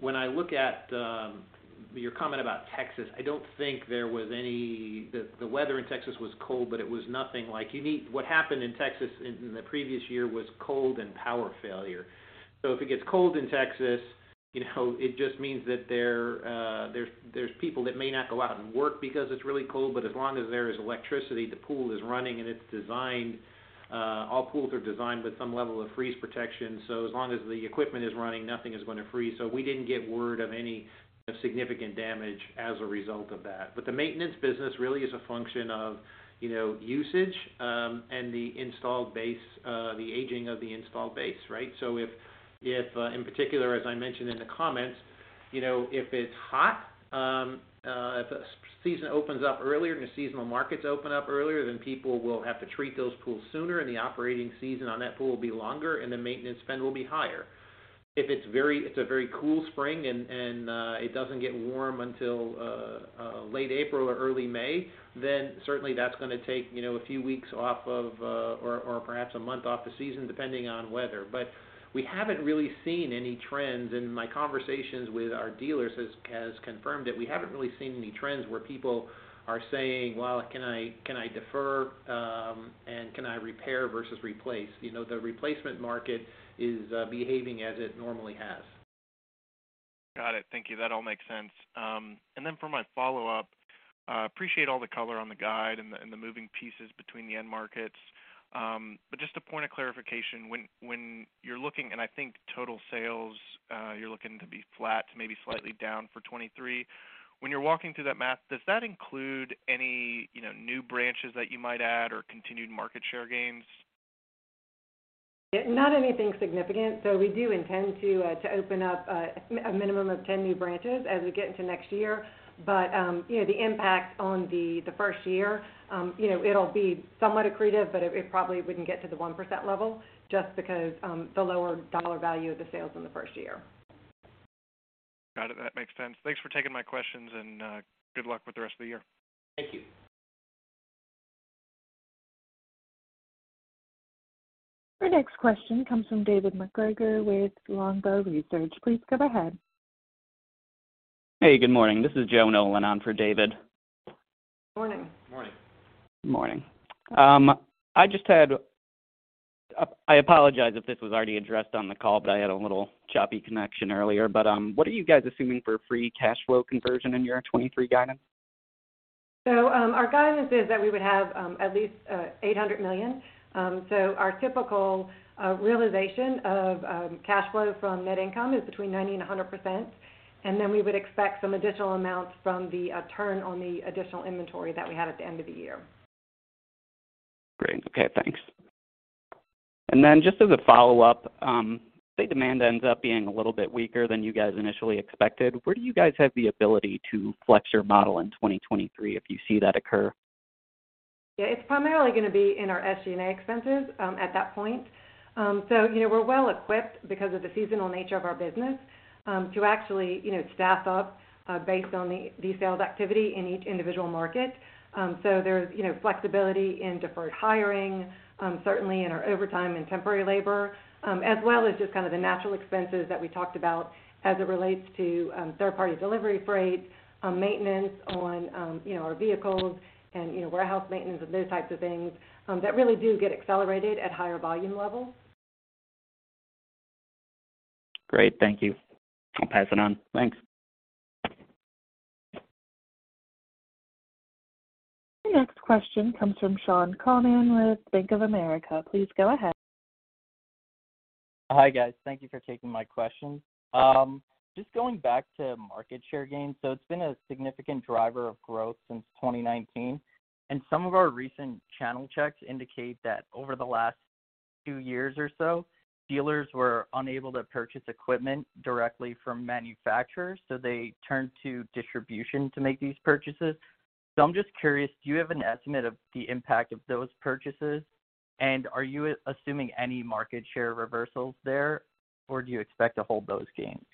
S3: When I look at your comment about Texas, I don't think there was any... The weather in Texas was cold, but it was nothing like unique. What happened in Texas in the previous year was cold and power failure. If it gets cold in Texas, you know, it just means that there's people that may not go out and work because it's really cold. As long as there is electricity, the pool is running and it's designed, all pools are designed with some level of freeze protection. As long as the equipment is running, nothing is gonna freeze. We didn't get word of any significant damage as a result of that. The maintenance business really is a function of, you know, usage, and the installed base, the aging of the installed base, right? If, in particular, as I mentioned in the comments, you know, if it's hot, if a season opens up earlier and the seasonal markets open up earlier, then people will have to treat those pools sooner, and the operating season on that pool will be longer, and the maintenance spend will be higher. If it's a very cool spring and, it doesn't get warm until, late April or early May, then certainly that's gonna take, you know, a few weeks off of, or perhaps a month off the season, depending on weather. We haven't really seen any trends, and my conversations with our dealers has confirmed that we haven't really seen any trends where people are saying, "Well, can I, can I defer, and can I repair versus replace?" You know, the replacement market is behaving as it normally has.
S9: Got it. Thank you. That all makes sense. For my follow-up, appreciate all the color on the guide and the, and the moving pieces between the end markets. Just a point of clarification, when you're looking... and I think total sales, you're looking to be flat to maybe slightly down for 2023. When you're walking through that math, does that include any, you know, new branches that you might add or continued market share gains?
S2: Yeah. Not anything significant. We do intend to open up a minimum of 10 new branches as we get into next year. You know, the impact on the first year, you know, it'll be somewhat accretive, but it probably wouldn't get to the 1% level just because the lower dollar value of the sales in the first year.
S9: Got it. That makes sense. Thanks for taking my questions, and good luck with the rest of the year.
S3: Thank you.
S1: Our next question comes from David MacGregor with Longbow Research. Please go ahead.
S10: Hey, good morning. This is Joe Nolan on for David.
S2: Morning.
S3: Morning.
S10: Morning. I apologize if this was already addressed on the call, but I had a little choppy connection earlier. What are you guys assuming for free cash flow conversion in your 2023 guidance?
S2: Our guidance is that we would have, at least, $800 million. Our typical realization of cash flow from net income is between 90% and 100%. Then we would expect some additional amounts from the turn on the additional inventory that we had at the end of the year.
S10: Great. Okay, thanks. Just as a follow-up, say demand ends up being a little bit weaker than you guys initially expected, where do you guys have the ability to flex your model in 2023 if you see that occur?
S2: It's primarily gonna be in our SG&A expenses at that point. You know, we're well equipped because of the seasonal nature of our business to actually, you know, staff up based on the sales activity in each individual market. There's, you know, flexibility in deferred hiring, certainly in our overtime and temporary labor, as well as just kind of the natural expenses that we talked about as it relates to third-party delivery freight, maintenance on, you know, our vehicles and, you know, warehouse maintenance and those types of things that really do get accelerated at higher volume levels.
S10: Great. Thank you. I'll pass it on. Thanks.
S1: The next question comes from Shaun Calnan with Bank of America. Please go ahead.
S11: Hi, guys. Thank you for taking my questions. Just going back to market share gains. It's been a significant driver of growth since 2019, and some of our recent channel checks indicate that over the last two years or so, dealers were unable to purchase equipment directly from manufacturers, so they turned to distribution to make these purchases. I'm just curious, do you have an estimate of the impact of those purchases? Are you assuming any market share reversals there, or do you expect to hold those gains?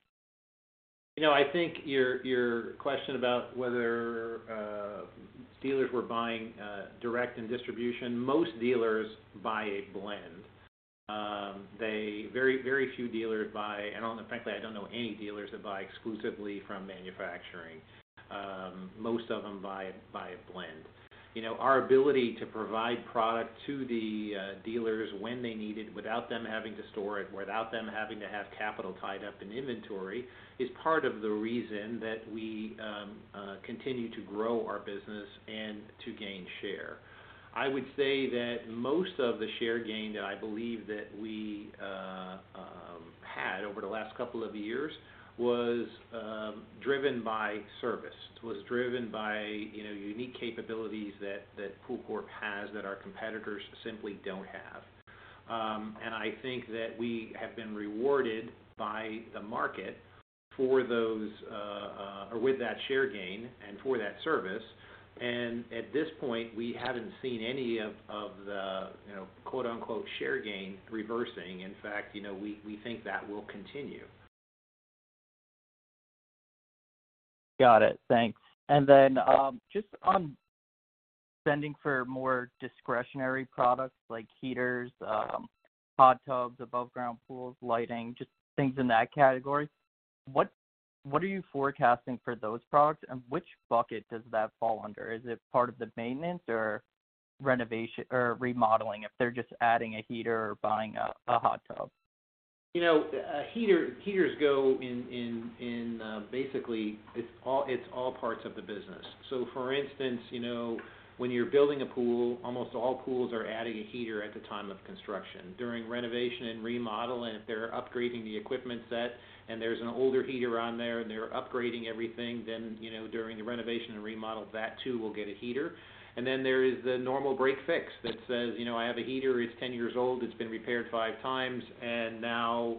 S3: You know, I think your question about whether dealers were buying direct in distribution, most dealers buy a blend. Very few dealers buy. I don't frankly, I don't know any dealers that buy exclusively from manufacturing. Most of them buy a blend. You know, our ability to provide product to the dealers when they need it without them having to store it, without them having to have capital tied up in inventory, is part of the reason that we continue to grow our business and to gain share. I would say that most of the share gain that I believe that we had over the last couple of years was driven by service. It was driven by, you know, unique capabilities that POOLCORP has that our competitors simply don't have. I think that we have been rewarded by the market for those, or with that share gain and for that service. At this point, we haven't seen any of the, you know, quote-unquote, share gain reversing. In fact, you know, we think that will continue.
S11: Got it. Thanks. Then, just on spending for more discretionary products like heaters, hot tubs, above ground pools, lighting, just things in that category, what are you forecasting for those products, and which bucket does that fall under? Is it part of the maintenance or renovation or remodeling if they're just adding a heater or buying a hot tub?
S3: You know, heaters go in, basically it's all parts of the business. For instance, you know, when you're building a pool, almost all pools are adding a heater at the time of construction. During renovation and remodel, and if they're upgrading the equipment set and there's an older heater on there and they're upgrading everything, then, you know, during the renovation and remodel, that too will get a heater. There is the normal break fix that says, "You know, I have a heater, it's 10 years old, it's been repaired five times, and now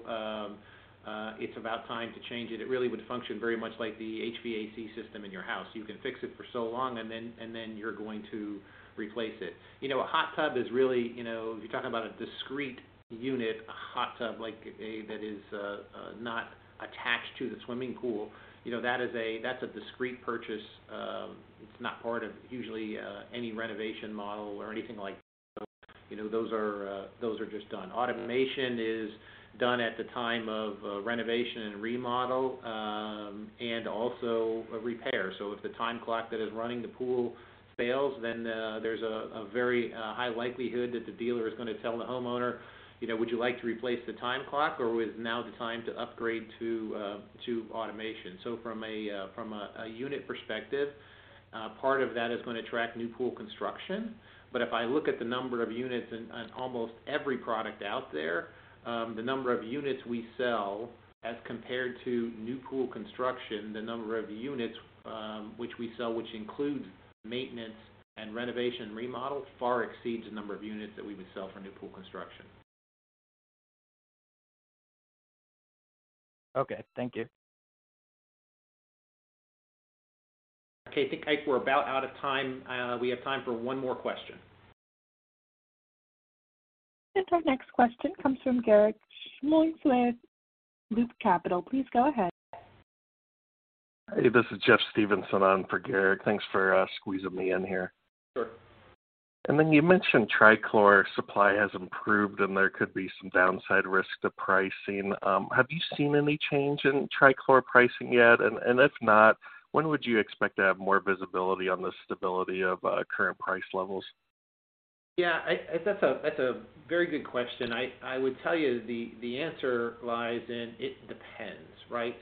S3: it's about time to change it." It really would function very much like the HVAC system in your house. You can fix it for so long and then you're going to replace it. You know, a hot tub is really, you know, you're talking about a discrete unit. A hot tub that is not attached to the swimming pool, you know, that is a, that's a discrete purchase. It's not part of usually any renovation model or anything like that. You know, those are those are just done. Automation is done at the time of renovation and remodel, and also a repair. If the time clock that is running the pool fails, then there's a very high likelihood that the dealer is gonna tell the homeowner, you know, "Would you like to replace the time clock or is now the time to upgrade to automation?" From a unit perspective, part of that is gonna track new pool construction. If I look at the number of units in, on almost every product out there, the number of units we sell as compared to new pool construction, the number of units which we sell, which includes maintenance and renovation and remodel, far exceeds the number of units that we would sell for new pool construction.
S11: Okay. Thank you.
S3: Okay. I think we're about out of time. We have time for one more question.
S1: Our next question comes from Garik Shmois with Loop Capital. Please go ahead.
S12: Hey, this is Jeffrey Stevenson on for Garik. Thanks for squeezing me in here.
S3: Sure.
S12: You mentioned trichlor supply has improved and there could be some downside risk to pricing. Have you seen any change in trichlor pricing yet? If not, when would you expect to have more visibility on the stability of current price levels?
S3: Yeah, that's a very good question. I would tell you the answer lies in it depends, right?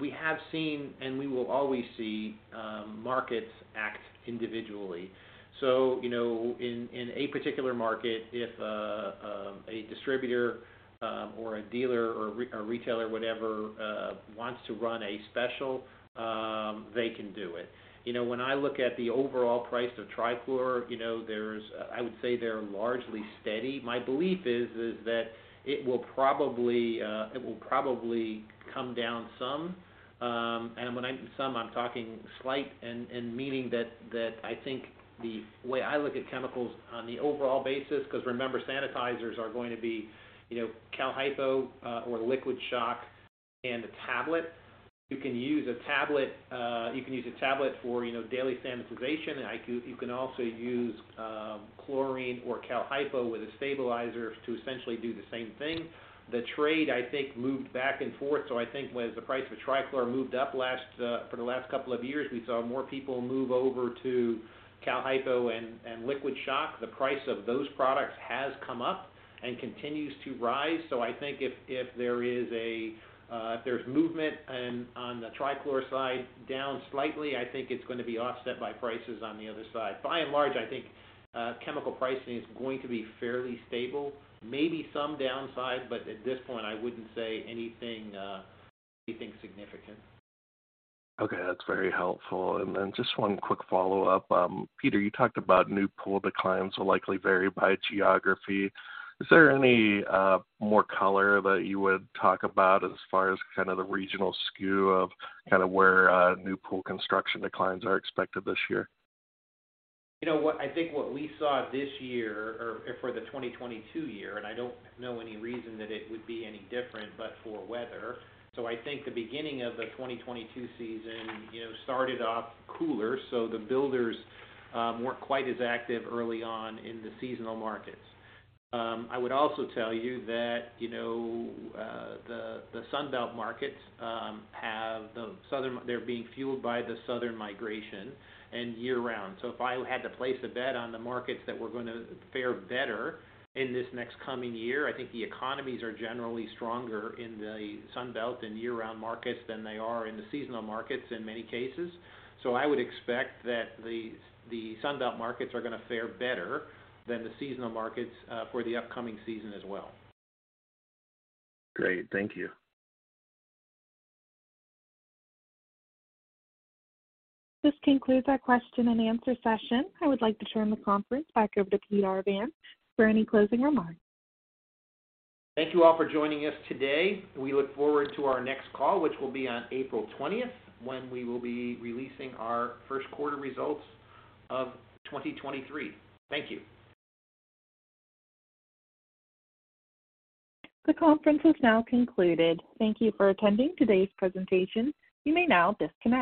S3: We have seen and we will always see markets act individually. You know, in a particular market, if a distributor or a dealer or retailer, whatever, wants to run a special, they can do it. You know, when I look at the overall price of trichlor, you know, I would say they're largely steady. My belief is that it will probably come down some, and when I'm some, I'm talking slight and meaning that I think the way I look at chemicals on the overall basis, because remember, sanitizers are going to be, you know, cal-hypo or liquid shock and a tablet. You can use a tablet, you can use a tablet for, you know, daily sanitization. You can also use chlorine or cal-hypo with a stabilizer to essentially do the same thing. The trade, I think, moved back and forth. I think when the price of trichlor moved up last for the last couple of years, we saw more people move over to cal-hypo and liquid shock. The price of those products has come up and continues to rise. I think if there is a movement and on the trichlor side down slightly, I think it's gonna be offset by prices on the other side. By and large, I think, chemical pricing is going to be fairly stable. Maybe some downside, but at this point I wouldn't say anything significant.
S12: Okay, that's very helpful. Just one quick follow-up. Peter, you talked about new pool declines will likely vary by geography. Is there any more color that you would talk about as far as kind of the regional SKU of kind of where new pool construction declines are expected this year?
S3: You know what, I think what we saw this year or for the 2022 year, I don't know any reason that it would be any different, but for weather. I think the beginning of the 2022 season, you know, started off cooler, so the builders weren't quite as active early on in the seasonal markets. I would also tell you that, you know, the Sunbelt markets, they're being fueled by the southern migration and year-round. If I had to place a bet on the markets that were gonna fare better in this next coming year, I think the economies are generally stronger in the Sunbelt and year-round markets than they are in the seasonal markets in many cases. I would expect that the Sunbelt markets are gonna fare better than the seasonal markets for the upcoming season as well.
S12: Great. Thank you.
S1: This concludes our question and answer session. I would like to turn the conference back over to Peter Arvan for any closing remarks.
S3: Thank you all for joining us today. We look forward to our next call, which will be on April 20th, when we will be releasing our first quarter results of 2023. Thank you.
S1: The conference has now concluded. Thank you for attending today's presentation. You may now disconnect.